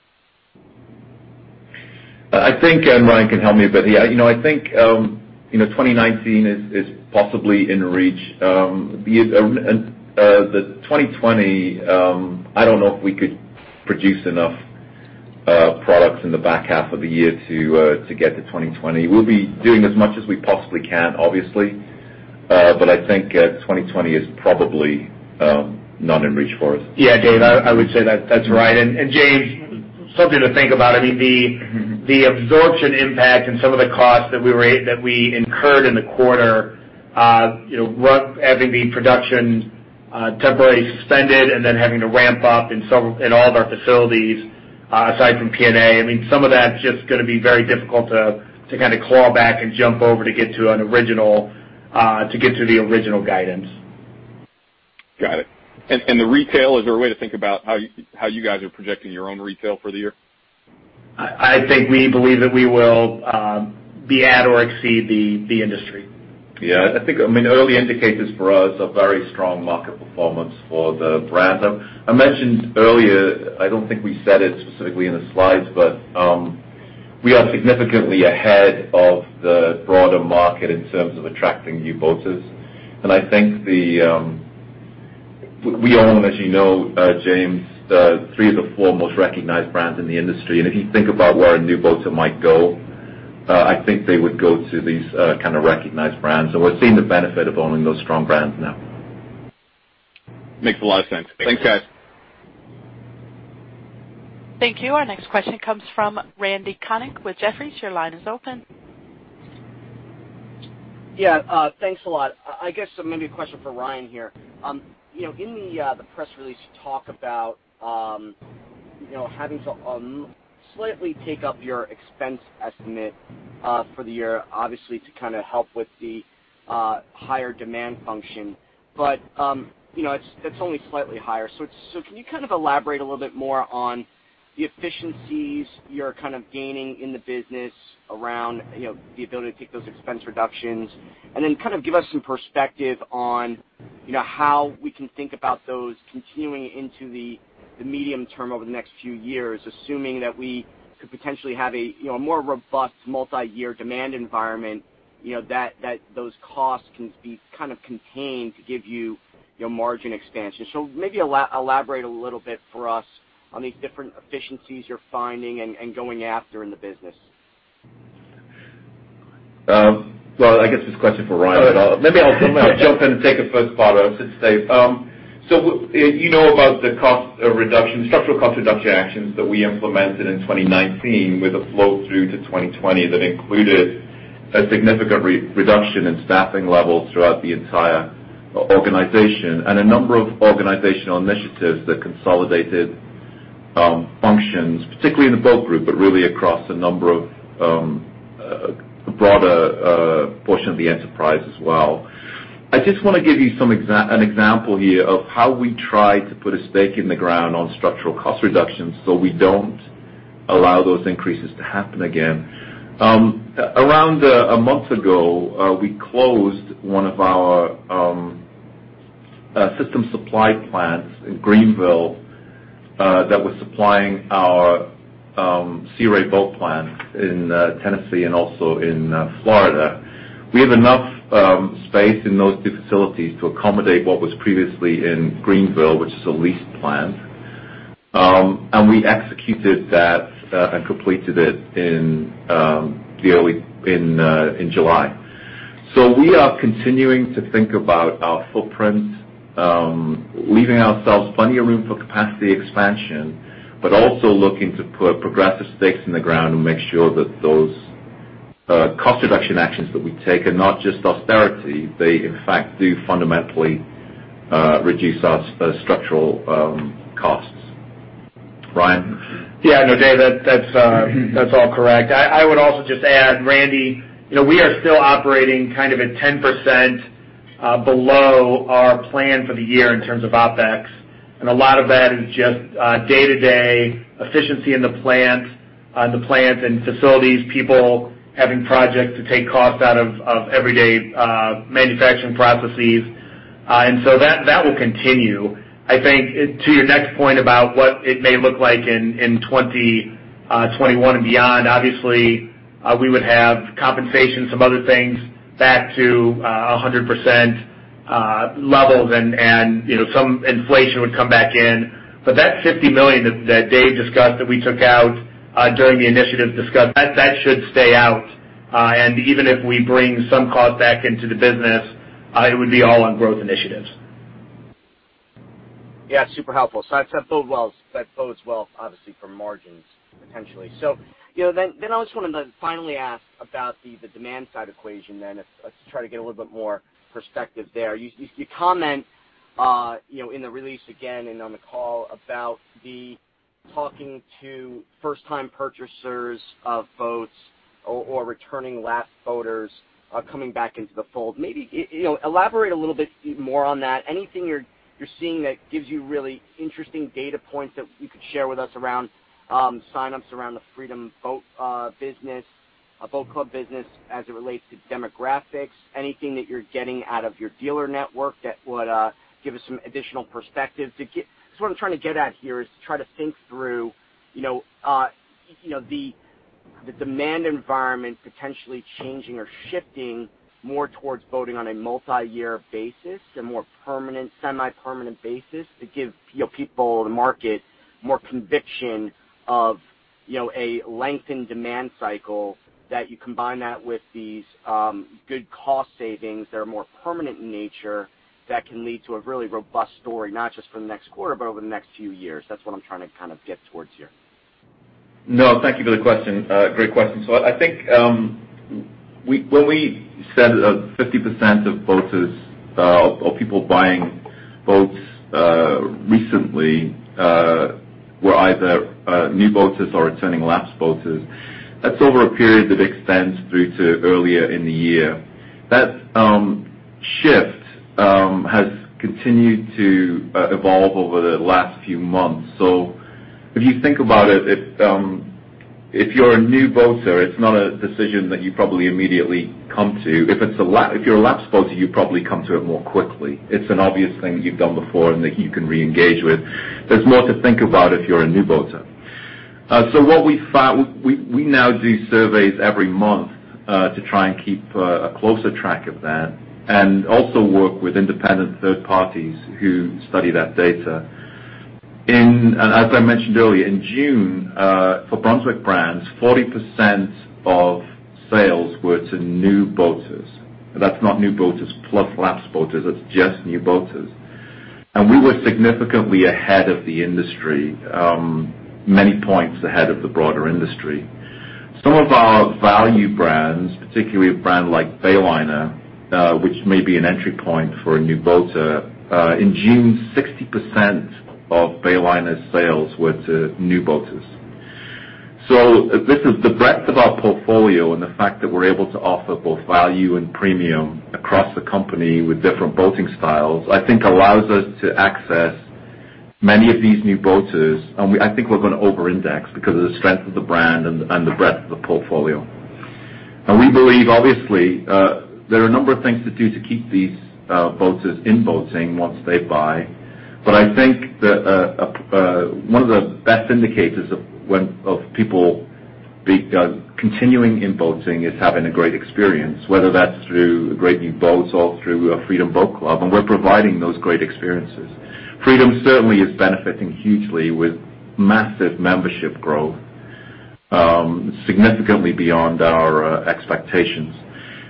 I think Ryan can help me a bit here. I think 2019 is possibly in reach. The 2020, I don't know if we could produce enough products in the back half of the year to get to 2020. We'll be doing as much as we possibly can, obviously, but I think 2020 is probably not in reach for us. Yeah, Dave, I would say that's right. And James, something to think about, I mean, the absorption impact and some of the costs that we incurred in the quarter, having the production temporarily suspended and then having to ramp up in all of our facilities, aside from P&A, I mean, some of that's just going to be very difficult to kind of claw back and jump over to get to an original to get to the original guidance. Got it. And the retail, is there a way to think about how you guys are projecting your own retail for the year? I think we believe that we will be at or exceed the industry. Yeah. I think, I mean, early indicators for us are very strong market performance for the brand. I mentioned earlier, I don't think we said it specifically in the slides, but we are significantly ahead of the broader market in terms of attracting new boaters. And I think that we own, as you know, James, three of the four most recognized brands in the industry. And if you think about where a new boater might go, I think they would go to these kind of recognized brands. And we're seeing the benefit of owning those strong brands now. Makes a lot of sense. Thanks, guys. Thank you. Our next question comes from Randy Konik with Jefferies. Your line is open. Yeah. Thanks a lot. I guess maybe a question for Ryan here. In the press release, you talk about having to slightly take up your expense estimate for the year, obviously, to kind of help with the higher demand function. But it's only slightly higher. So can you kind of elaborate a little bit more on the efficiencies you're kind of gaining in the business around the ability to take those expense reductions? And then kind of give us some perspective on how we can think about those continuing into the medium term over the next few years, assuming that we could potentially have a more robust multi-year demand environment that those costs can be kind of contained to give you margin expansion. So maybe elaborate a little bit for us on these different efficiencies you're finding and going after in the business. Well, I guess this question for Ryan at all. Maybe I'll jump in and take the first part of it, Dave. So you know about the cost reduction, structural cost reduction actions that we implemented in 2019 with a flow through to 2020 that included a significant reduction in staffing levels throughout the entire organization and a number of organizational initiatives that consolidated functions, particularly in the boat group, but really across a number of broader portions of the enterprise as well. I just want to give you an example here of how we try to put a stake in the ground on structural cost reductions so we don't allow those increases to happen again. Around a month ago, we closed one of our system supply plants in Greenville that was supplying our Sea Ray boat plant in Tennessee and also in Florida. We have enough space in those two facilities to accommodate what was previously in Greenville, which is a leased plant, and we executed that and completed it in July. So we are continuing to think about our footprint, leaving ourselves plenty of room for capacity expansion, but also looking to put progressive stakes in the ground and make sure that those cost reduction actions that we take are not just austerity. They, in fact, do fundamentally reduce our structural costs. Ryan? Yeah. No, Dave, that's all correct. I would also just add, Randy, we are still operating kind of at 10% below our plan for the year in terms of OpEx. And a lot of that is just day-to-day efficiency in the plant and facilities, people having projects to take costs out of everyday manufacturing processes, and so that will continue. I think to your next point about what it may look like in 2021 and beyond, obviously, we would have compensation, some other things back to 100% levels, and some inflation would come back in. But that $50 million that Dave discussed that we took out during the initiative discussed, that should stay out. And even if we bring some cost back into the business, it would be all on growth initiatives. Yeah. Super helpful. So that bodes well, obviously, for margins potentially. So then I just wanted to finally ask about the demand side equation then, to try to get a little bit more perspective there. You comment in the release again and on the call about the talking to first-time purchasers of boats or returning lapsed boaters coming back into the fold. Maybe elaborate a little bit more on that. Anything you're seeing that gives you really interesting data points that you could share with us around signups around the Freedom Boat Club business, boat club business as it relates to demographics? Anything that you're getting out of your dealer network that would give us some additional perspective? Because what I'm trying to get at here is to try to think through the demand environment potentially changing or shifting more towards boating on a multi-year basis, a more permanent, semi-permanent basis to give people in the market more conviction of a lengthened demand cycle that you combine that with these good cost savings that are more permanent in nature that can lead to a really robust story, not just for the next quarter, but over the next few years. That's what I'm trying to kind of get towards here. No, thank you for the question. Great question. I think when we said 50% of boaters or people buying boats recently were either new boaters or returning lapsed boaters, that's over a period that extends through to earlier in the year. That shift has continued to evolve over the last few months. If you think about it, if you're a new boater, it's not a decision that you probably immediately come to. If you're a lapsed boater, you probably come to it more quickly. It's an obvious thing that you've done before and that you can re-engage with. There's more to think about if you're a new boater. We now do surveys every month to try and keep a closer track of that and also work with independent third parties who study that data. As I mentioned earlier, in June, for Brunswick brands, 40% of sales were to new boaters. That's not new boaters plus lapse boaters. That's just new boaters. And we were significantly ahead of the industry, many points ahead of the broader industry. Some of our value brands, particularly a brand like Bayliner, which may be an entry point for a new boater, in June, 60% of Bayliner's sales were to new boaters. So the breadth of our portfolio and the fact that we're able to offer both value and premium across the company with different boating styles, I think, allows us to access many of these new boaters. And I think we're going to over-index because of the strength of the brand and the breadth of the portfolio. And we believe, obviously, there are a number of things to do to keep these boaters in boating once they buy. But I think that one of the best indicators of people continuing in boating is having a great experience, whether that's through a great new boat or through a Freedom Boat Club. And we're providing those great experiences. Freedom certainly is benefiting hugely with massive membership growth, significantly beyond our expectations.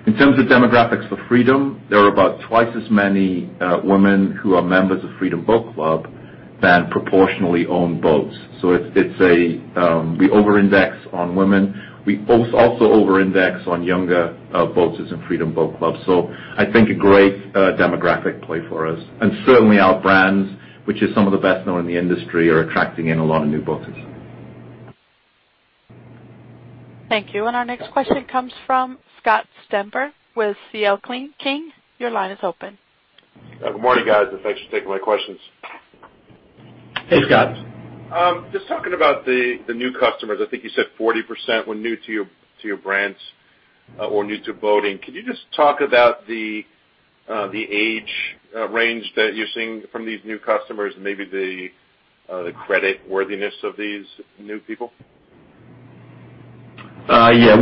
In terms of demographics for Freedom, there are about twice as many women who are members of Freedom Boat Club than proportionally owned boats. So we over-index on women. We also over-index on younger boaters in Freedom Boat Club. So I think a great demographic play for us. And certainly, our brands, which are some of the best known in the industry, are attracting in a lot of new boaters. Thank you. And our next question comes from Scott Stember with C.L. King. Your line is open. Good morning, guys. Thanks for taking my questions. Hey, Scott. Just talking about the new customers, I think you said 40% were new to your brands or new to boating. Could you just talk about the age range that you're seeing from these new customers and maybe the creditworthiness of these new people? Yeah.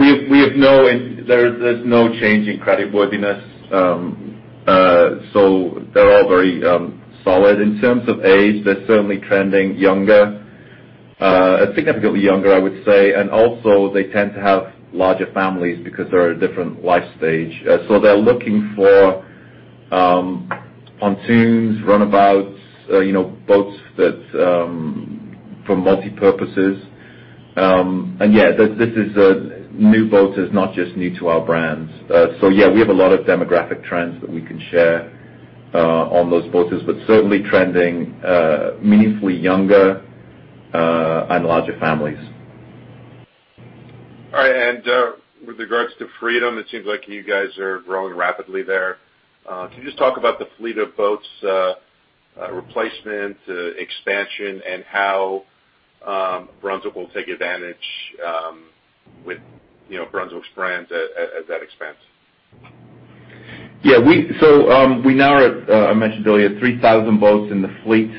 There's no change in creditworthiness. So they're all very solid. In terms of age, they're certainly trending younger, significantly younger, I would say. And also, they tend to have larger families because they're at a different life stage. So they're looking for pontoons, runabouts, boats for multi-purposes. And yeah, this is new boaters, not just new to our brands. So yeah, we have a lot of demographic trends that we can share on those boaters, but certainly trending meaningfully younger and larger families. All right. And with regards to Freedom, it seems like you guys are growing rapidly there. Can you just talk about the fleet of boats, replacement, expansion, and how Brunswick will take advantage with Brunswick's brands as that expands? Yeah. So we now are, I mentioned earlier, 3,000 boats in the fleet.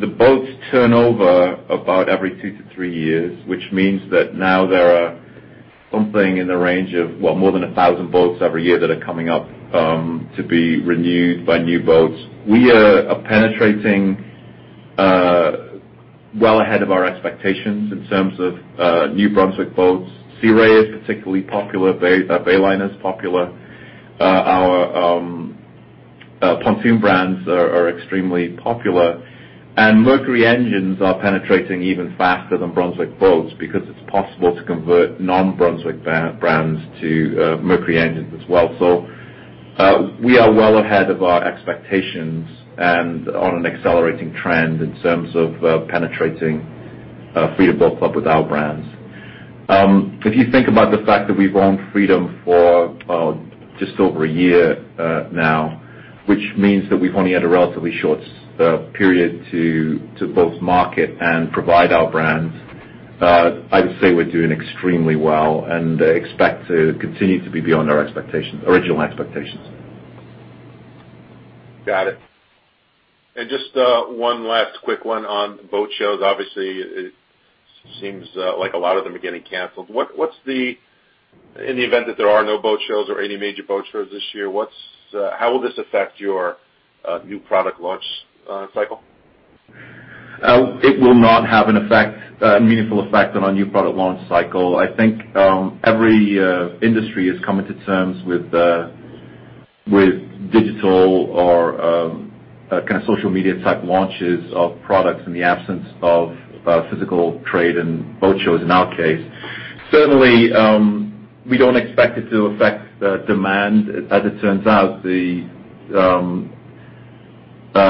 The boats turn over about every two to three years, which means that now there are something in the range of, well, more than 1,000 boats every year that are coming up to be renewed by new boats. We are penetrating well ahead of our expectations in terms of new Brunswick boats. Sea Ray is particularly popular. Bayliner is popular. Our pontoon brands are extremely popular. And Mercury Engines are penetrating even faster than Brunswick boats because it is possible to convert non-Brunswick brands to Mercury Engines as well. So we are well ahead of our expectations and on an accelerating trend in terms of penetrating Freedom Boat Club with our brands. If you think about the fact that we've owned Freedom for just over a year now, which means that we've only had a relatively short period to both market and provide our brands, I would say we're doing extremely well and expect to continue to be beyond our original expectations. Got it. And just one last quick one on boat shows. Obviously, it seems like a lot of them are getting canceled. In the event that there are no boat shows or any major boat shows this year, how will this affect your new product launch cycle? It will not have a meaningful effect on our new product launch cycle. I think every industry is coming to terms with digital or kind of social media-type launches of products in the absence of physical trade and boat shows in our case. Certainly, we don't expect it to affect demand. As it turns out, the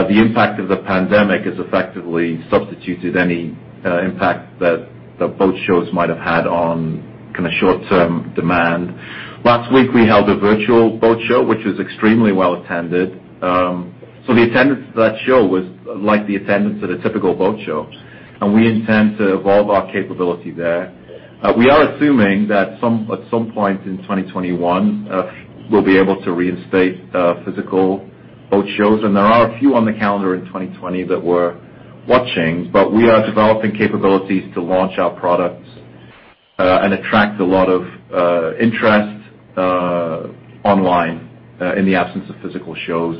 impact of the pandemic has effectively substituted any impact that boat shows might have had on kind of short-term demand. Last week, we held a virtual boat show, which was extremely well attended. So the attendance to that show was like the attendance at a typical boat show. And we intend to evolve our capability there. We are assuming that at some point in 2021, we'll be able to reinstate physical boat shows. And there are a few on the calendar in 2020 that we're watching. But we are developing capabilities to launch our products and attract a lot of interest online in the absence of physical shows.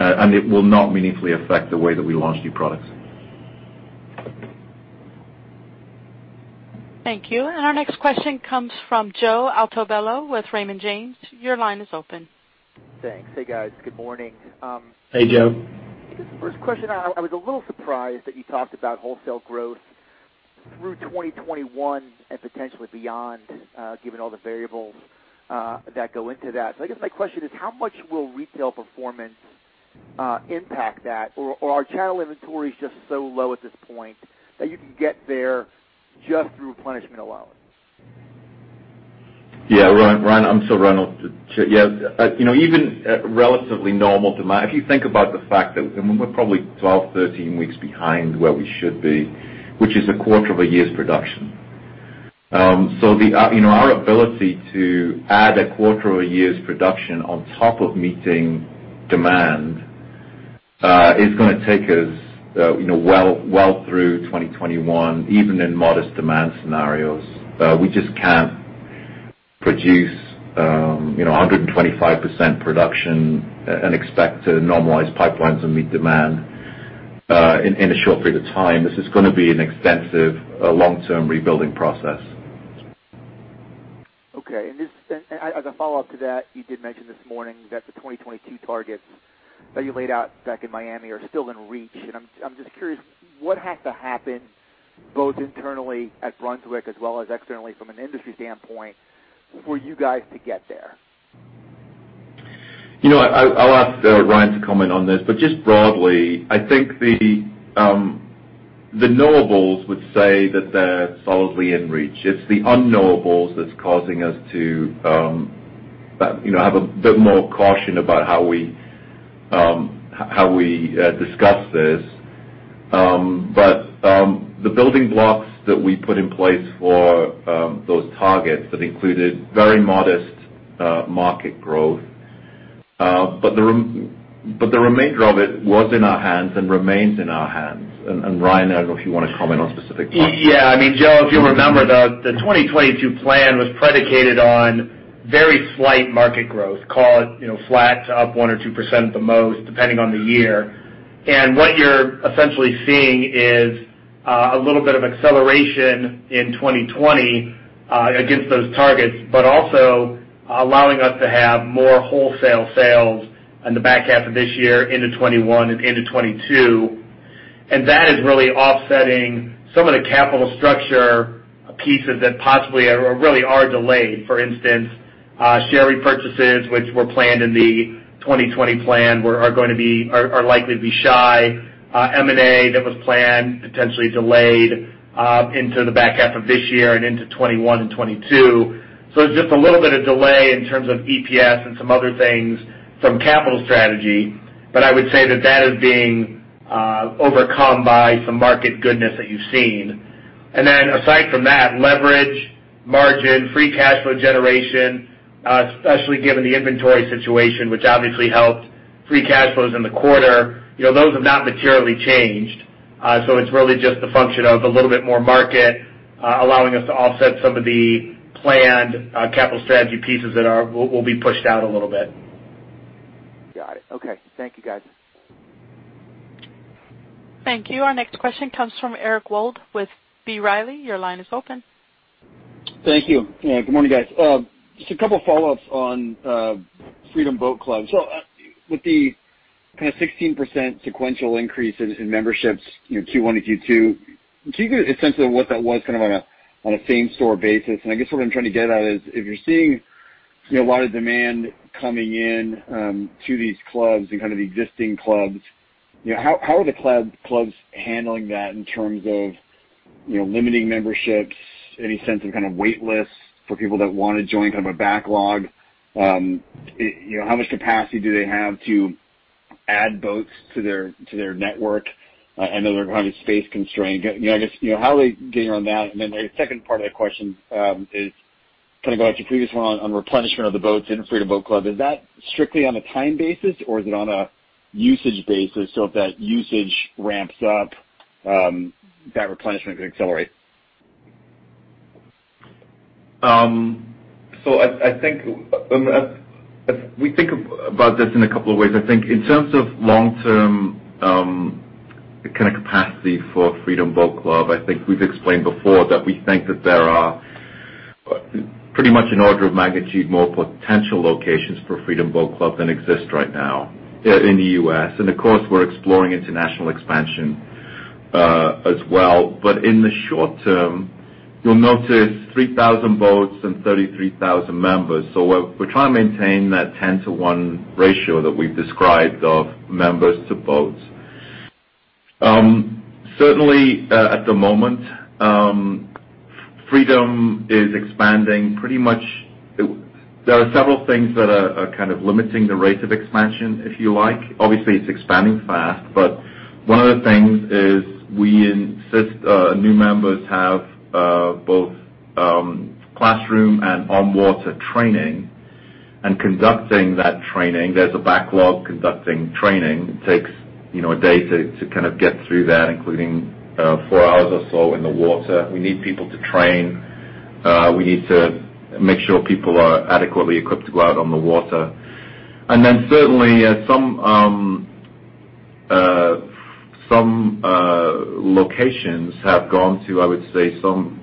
And it will not meaningfully affect the way that we launch new products. Thank you. And our next question comes from Joe Altobello with Raymond James. Your line is open. Thanks. Hey, guys. Good morning. Hey, Joe. I guess the first question. I was a little surprised that you talked about wholesale growth through 2021 and potentially beyond, given all the variables that go into that. So I guess my question is, how much will retail performance impact that? Or are channel inventories just so low at this point that you can get there just through replenishment alone? Yeah. I'm sorry, Ryan. Yeah. Even relatively normal demand, if you think about the fact that we're probably 12, 13 weeks behind where we should be, which is a quarter of a year's production. So our ability to add a quarter of a year's production on top of meeting demand is going to take us well through 2021, even in modest demand scenarios. We just can't produce 125% production and expect to normalize pipelines and meet demand in a short period of time. This is going to be an extensive long-term rebuilding process. Okay. And as a follow-up to that, you did mention this morning that the 2022 targets that you laid out back in Miami are still in reach. And I'm just curious, what has to happen both internally at Brunswick as well as externally from an industry standpoint for you guys to get there? I'll ask Ryan to comment on this. But just broadly, I think the knowables would say that they're solidly in reach. It's the unknowables that's causing us to have a bit more caution about how we discuss this. But the building blocks that we put in place for those targets that included very modest market growth, but the remainder of it was in our hands and remains in our hands. And Ryan, I don't know if you want to comment on specifics. Yeah. I mean, Joe, if you remember, the 2022 plan was predicated on very slight market growth, call it flat to up 1 or 2% at the most, depending on the year. And what you're essentially seeing is a little bit of acceleration in 2020 against those targets, but also allowing us to have more wholesale sales in the back half of this year into 2021 and into 2022. And that is really offsetting some of the capital structure pieces that possibly really are delayed. For instance, share repurchases, which were planned in the 2020 plan, are likely to be shy. M&A that was planned potentially delayed into the back half of this year and into 2021 and 2022. So it's just a little bit of delay in terms of EPS and some other things from capital strategy. But I would say that that is being overcome by some market goodness that you've seen. And then aside from that, leverage, margin, free cash flow generation, especially given the inventory situation, which obviously helped free cash flows in the quarter, those have not materially changed. So it's really just the function of a little bit more market allowing us to offset some of the planned capital strategy pieces that will be pushed out a little bit. Got it. Okay. Thank you, guys. Thank you. Our next question comes from Eric Wold with B. Riley. Your line is open. Thank you. Good morning, guys. Just a couple of follow-ups on Freedom Boat Club. So with the kind of 16% sequential increase in memberships, Q1 and Q2, can you give a sense of what that was kind of on a same-store basis? I guess what I'm trying to get at is if you're seeing a lot of demand coming in to these clubs and kind of existing clubs, how are the clubs handling that in terms of limiting memberships, any sense of kind of waitlists for people that want to join kind of a backlog? How much capacity do they have to add boats to their network? I know they're kind of space-constrained. I guess how are they getting on that? And then the second part of the question is kind of going back to your previous one on replenishment of the boats in Freedom Boat Club. Is that strictly on a time basis, or is it on a usage basis? So if that usage ramps up, that replenishment could accelerate. So I think we think about this in a couple of ways. I think in terms of long-term kind of capacity for Freedom Boat Club, I think we've explained before that we think that there are pretty much in order of magnitude more potential locations for Freedom Boat Club than exist right now in the U.S. And of course, we're exploring international expansion as well. But in the short term, you'll notice 3,000 boats and 33,000 members. So we're trying to maintain that 10 to 1 ratio that we've described of members to boats. Certainly, at the moment, Freedom is expanding pretty much. There are several things that are kind of limiting the rate of expansion, if you like. Obviously, it's expanding fast. But one of the things is we insist new members have both classroom and on-water training and conducting that training. There's a backlog conducting training. It takes a day to kind of get through that, including four hours or so in the water. We need people to train. We need to make sure people are adequately equipped to go out on the water, and then certainly, some locations have gone to, I would say, some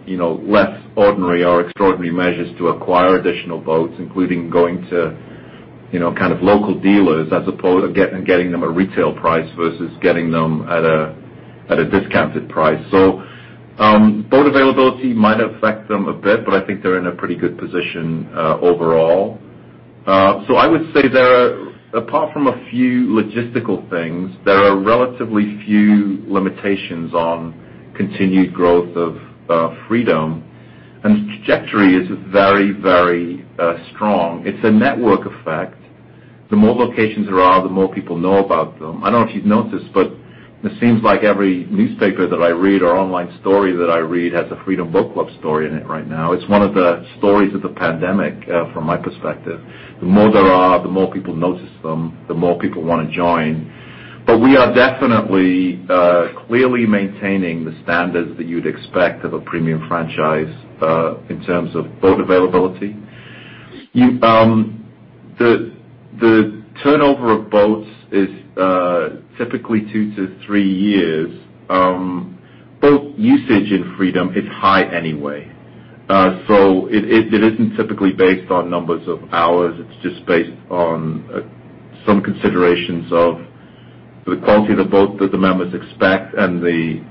less ordinary or extraordinary measures to acquire additional boats, including going to kind of local dealers and getting them a retail price versus getting them at a discounted price, so boat availability might affect them a bit, but I think they're in a pretty good position overall, so I would say there are, apart from a few logistical things, there are relatively few limitations on continued growth of Freedom, and the trajectory is very, very strong. It's a network effect. The more locations there are, the more people know about them. I don't know if you've noticed, but it seems like every newspaper that I read or online story that I read has a Freedom Boat Club story in it right now. It's one of the stories of the pandemic from my perspective. The more there are, the more people notice them, the more people want to join. But we are definitely clearly maintaining the standards that you'd expect of a premium franchise in terms of boat availability. The turnover of boats is typically two to three years. Boat usage in Freedom is high anyway. So it isn't typically based on numbers of hours. It's just based on some considerations of the quality of the boat that the members expect and the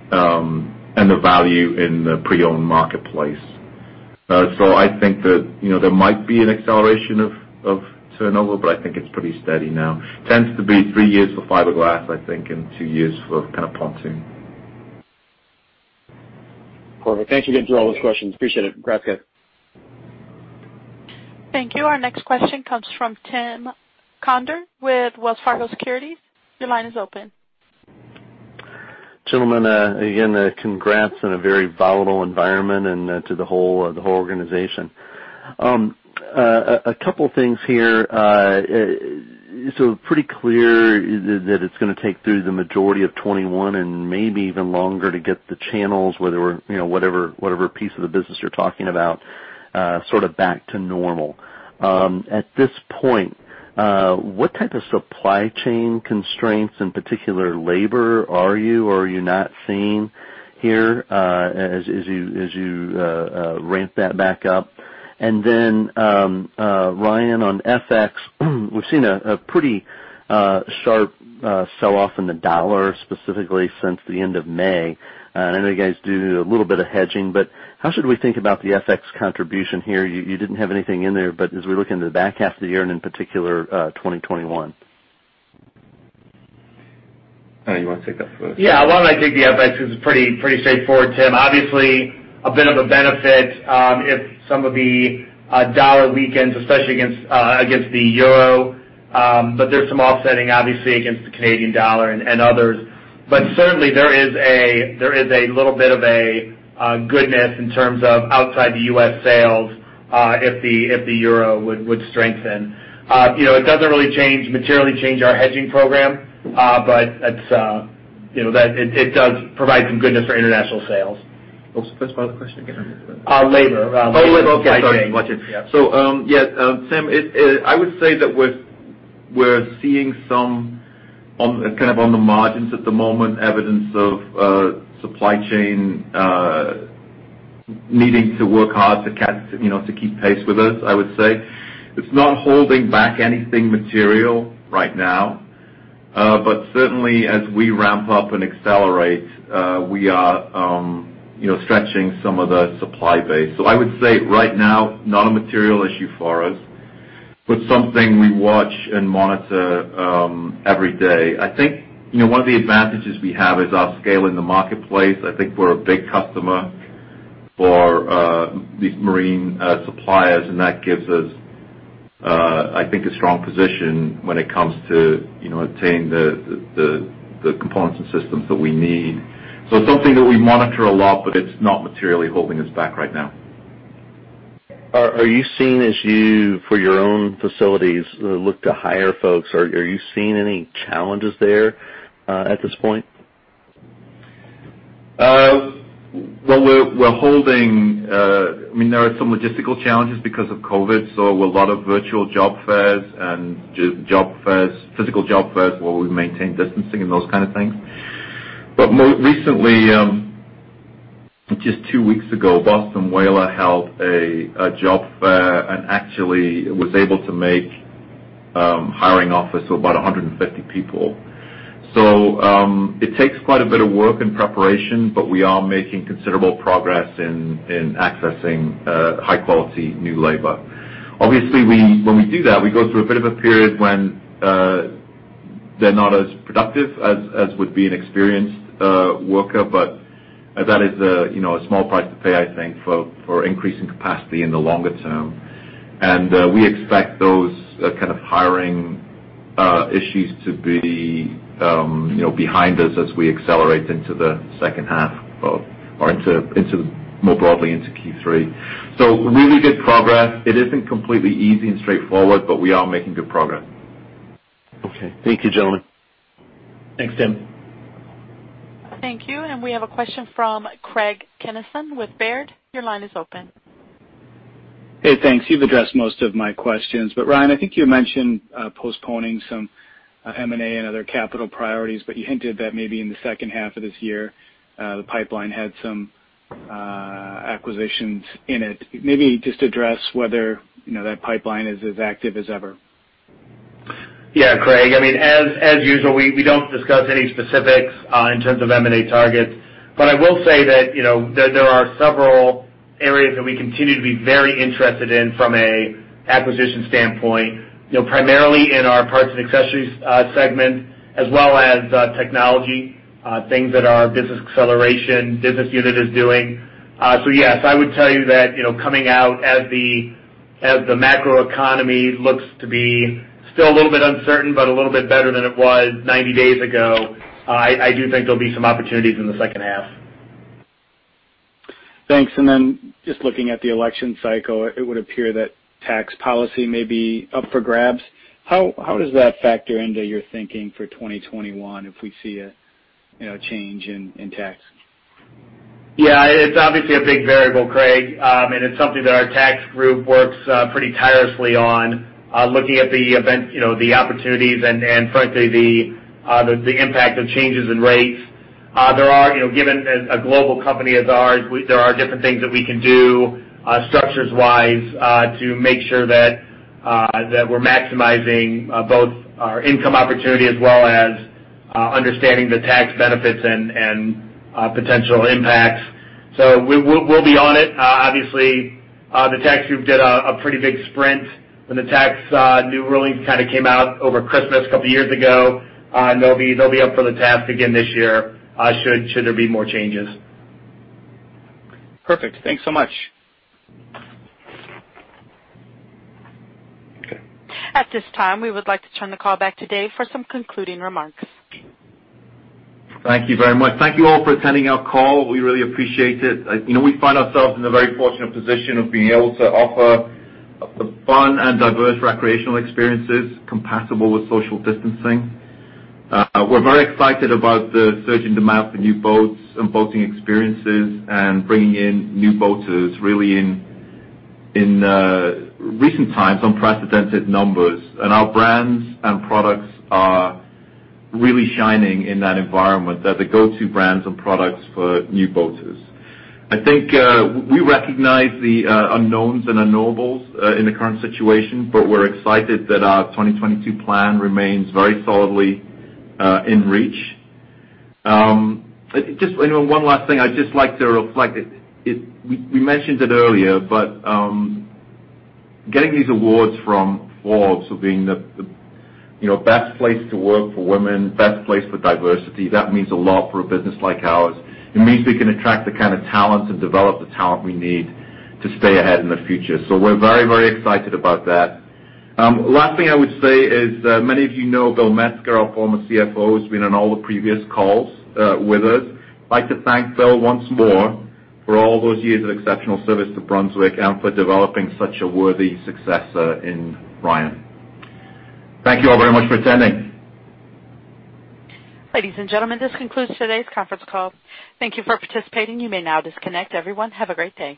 value in the pre-owned marketplace. So I think that there might be an acceleration of turnover, but I think it's pretty steady now. Tends to be three years for fiberglass, I think, and two years for kind of pontoon. Perfect. Thanks for getting through all those questions. Appreciate it. Congrats, guys. Thank you. Our next question comes from Tim Conder with Wells Fargo Securities. Your line is open. Gentlemen, again, congrats on a very volatile environment and to the whole organization. A couple of things here. So pretty clear that it's going to take through the majority of 2021 and maybe even longer to get the channels, whatever piece of the business you're talking about, sort of back to normal. At this point, what type of supply chain constraints and particular labor are you or are you not seeing here as you ramp that back up? And then Ryan on FX, we've seen a pretty sharp sell-off in the dollar specifically since the end of May. And I know you guys do a little bit of hedging, but how should we think about the FX contribution here? You didn't have anything in there, but as we look into the back half of the year and in particular 2021? You want to take that first? Yeah. Why don't I take the FX? It's pretty straightforward, Tim. Obviously, a bit of a benefit if some of the dollar weakens, especially against the euro. But there's some offsetting, obviously, against the Canadian dollar and others. But certainly, there is a little bit of a goodness in terms of outside the U.S. sales if the euro would strengthen. It doesn't really materially change our hedging program, but it does provide some goodness for international sales. What's the question again? Labor. Oh, labor. Sorry. Watch it. So yeah, Tim, I would say that we're seeing some kind of on the margins, at the moment, evidence of supply chain needing to work hard to keep pace with us, I would say. It's not holding back anything material right now. But certainly, as we ramp up and accelerate, we are stretching some of the supply base. So I would say right now, not a material issue for us, but something we watch and monitor every day. I think one of the advantages we have is our scale in the marketplace. I think we're a big customer for these marine suppliers, and that gives us, I think, a strong position when it comes to obtaining the components and systems that we need. So it's something that we monitor a lot, but it's not materially holding us back right now. Are you seeing, for your own facilities, look to hire folks? Are you seeing any challenges there at this point? We're holding. I mean, there are some logistical challenges because of COVID, so a lot of virtual job fairs and physical job fairs where we maintain distancing and those kind of things, but more recently, just two weeks ago, Boston Whaler held a job fair and actually was able to make hiring offers for about 150 people. So it takes quite a bit of work and preparation, but we are making considerable progress in accessing high-quality new labor. Obviously, when we do that, we go through a bit of a period when they're not as productive as would be an experienced worker, but that is a small price to pay, I think, for increasing capacity in the longer term. And we expect those kind of hiring issues to be behind us as we accelerate into the second half or more broadly into Q3. So really good progress. It isn't completely easy and straightforward, but we are making good progress. Okay. Thank you, gentlemen. Thanks, Tim. Thank you. And we have a question from Craig Kennison with Baird. Your line is open. Hey, thanks. You've addressed most of my questions. But Ryan, I think you mentioned postponing some M&A and other capital priorities, but you hinted that maybe in the second half of this year, the pipeline had some acquisitions in it. Maybe just address whether that pipeline is as active as ever. Yeah, Craig. I mean, as usual, we don't discuss any specifics in terms of M&A targets. But I will say that there are several areas that we continue to be very interested in from an acquisition standpoint, primarily in our parts and accessories segment, as well as technology, things that our business acceleration business unit is doing. So yes, I would tell you that coming out as the macroeconomy looks to be still a little bit uncertain, but a little bit better than it was 90 days ago, I do think there'll be some opportunities in the second half. Thanks. And then just looking at the election cycle, it would appear that tax policy may be up for grabs. How does that factor into your thinking for 2021 if we see a change in tax? Yeah. It's obviously a big variable, Craig. And it's something that our tax group works pretty tirelessly on, looking at the opportunities and, frankly, the impact of changes in rates. Given a global company as ours, there are different things that we can do structures-wise to make sure that we're maximizing both our income opportunity as well as understanding the tax benefits and potential impacts. So we'll be on it. Obviously, the tax group did a pretty big sprint when the new tax rulings kind of came out over Christmas a couple of years ago. They'll be up for the task again this year should there be more changes. Perfect. Thanks so much. At this time, we would like to turn the call back to Dave for some concluding remarks. Thank you very much. Thank you all for attending our call. We really appreciate it. We find ourselves in a very fortunate position of being able to offer fun and diverse recreational experiences compatible with social distancing. We're very excited about the surge in demand for new boats and boating experiences and bringing in new boaters really in recent times unprecedented numbers. And our brands and products are really shining in that environment. They're the go-to brands and products for new boaters. I think we recognize the unknowns and the knowables in the current situation, but we're excited that our 2022 plan remains very solidly in reach. Just one last thing. I'd just like to reflect that we mentioned it earlier, but getting these awards from Forbes of being the best place to work for women, best place for diversity, that means a lot for a business like ours. It means we can attract the kind of talent and develop the talent we need to stay ahead in the future. So we're very, very excited about that. Last thing I would say is many of you know Bill Metzger, our former CFO. He's been on all the previous calls with us. I'd like to thank Bill once more for all those years of exceptional service to Brunswick and for developing such a worthy successor in Ryan. Thank you all very much for attending. Ladies and gentlemen, this concludes today's conference call. Thank you for participating. You may now disconnect, everyone. Have a great day.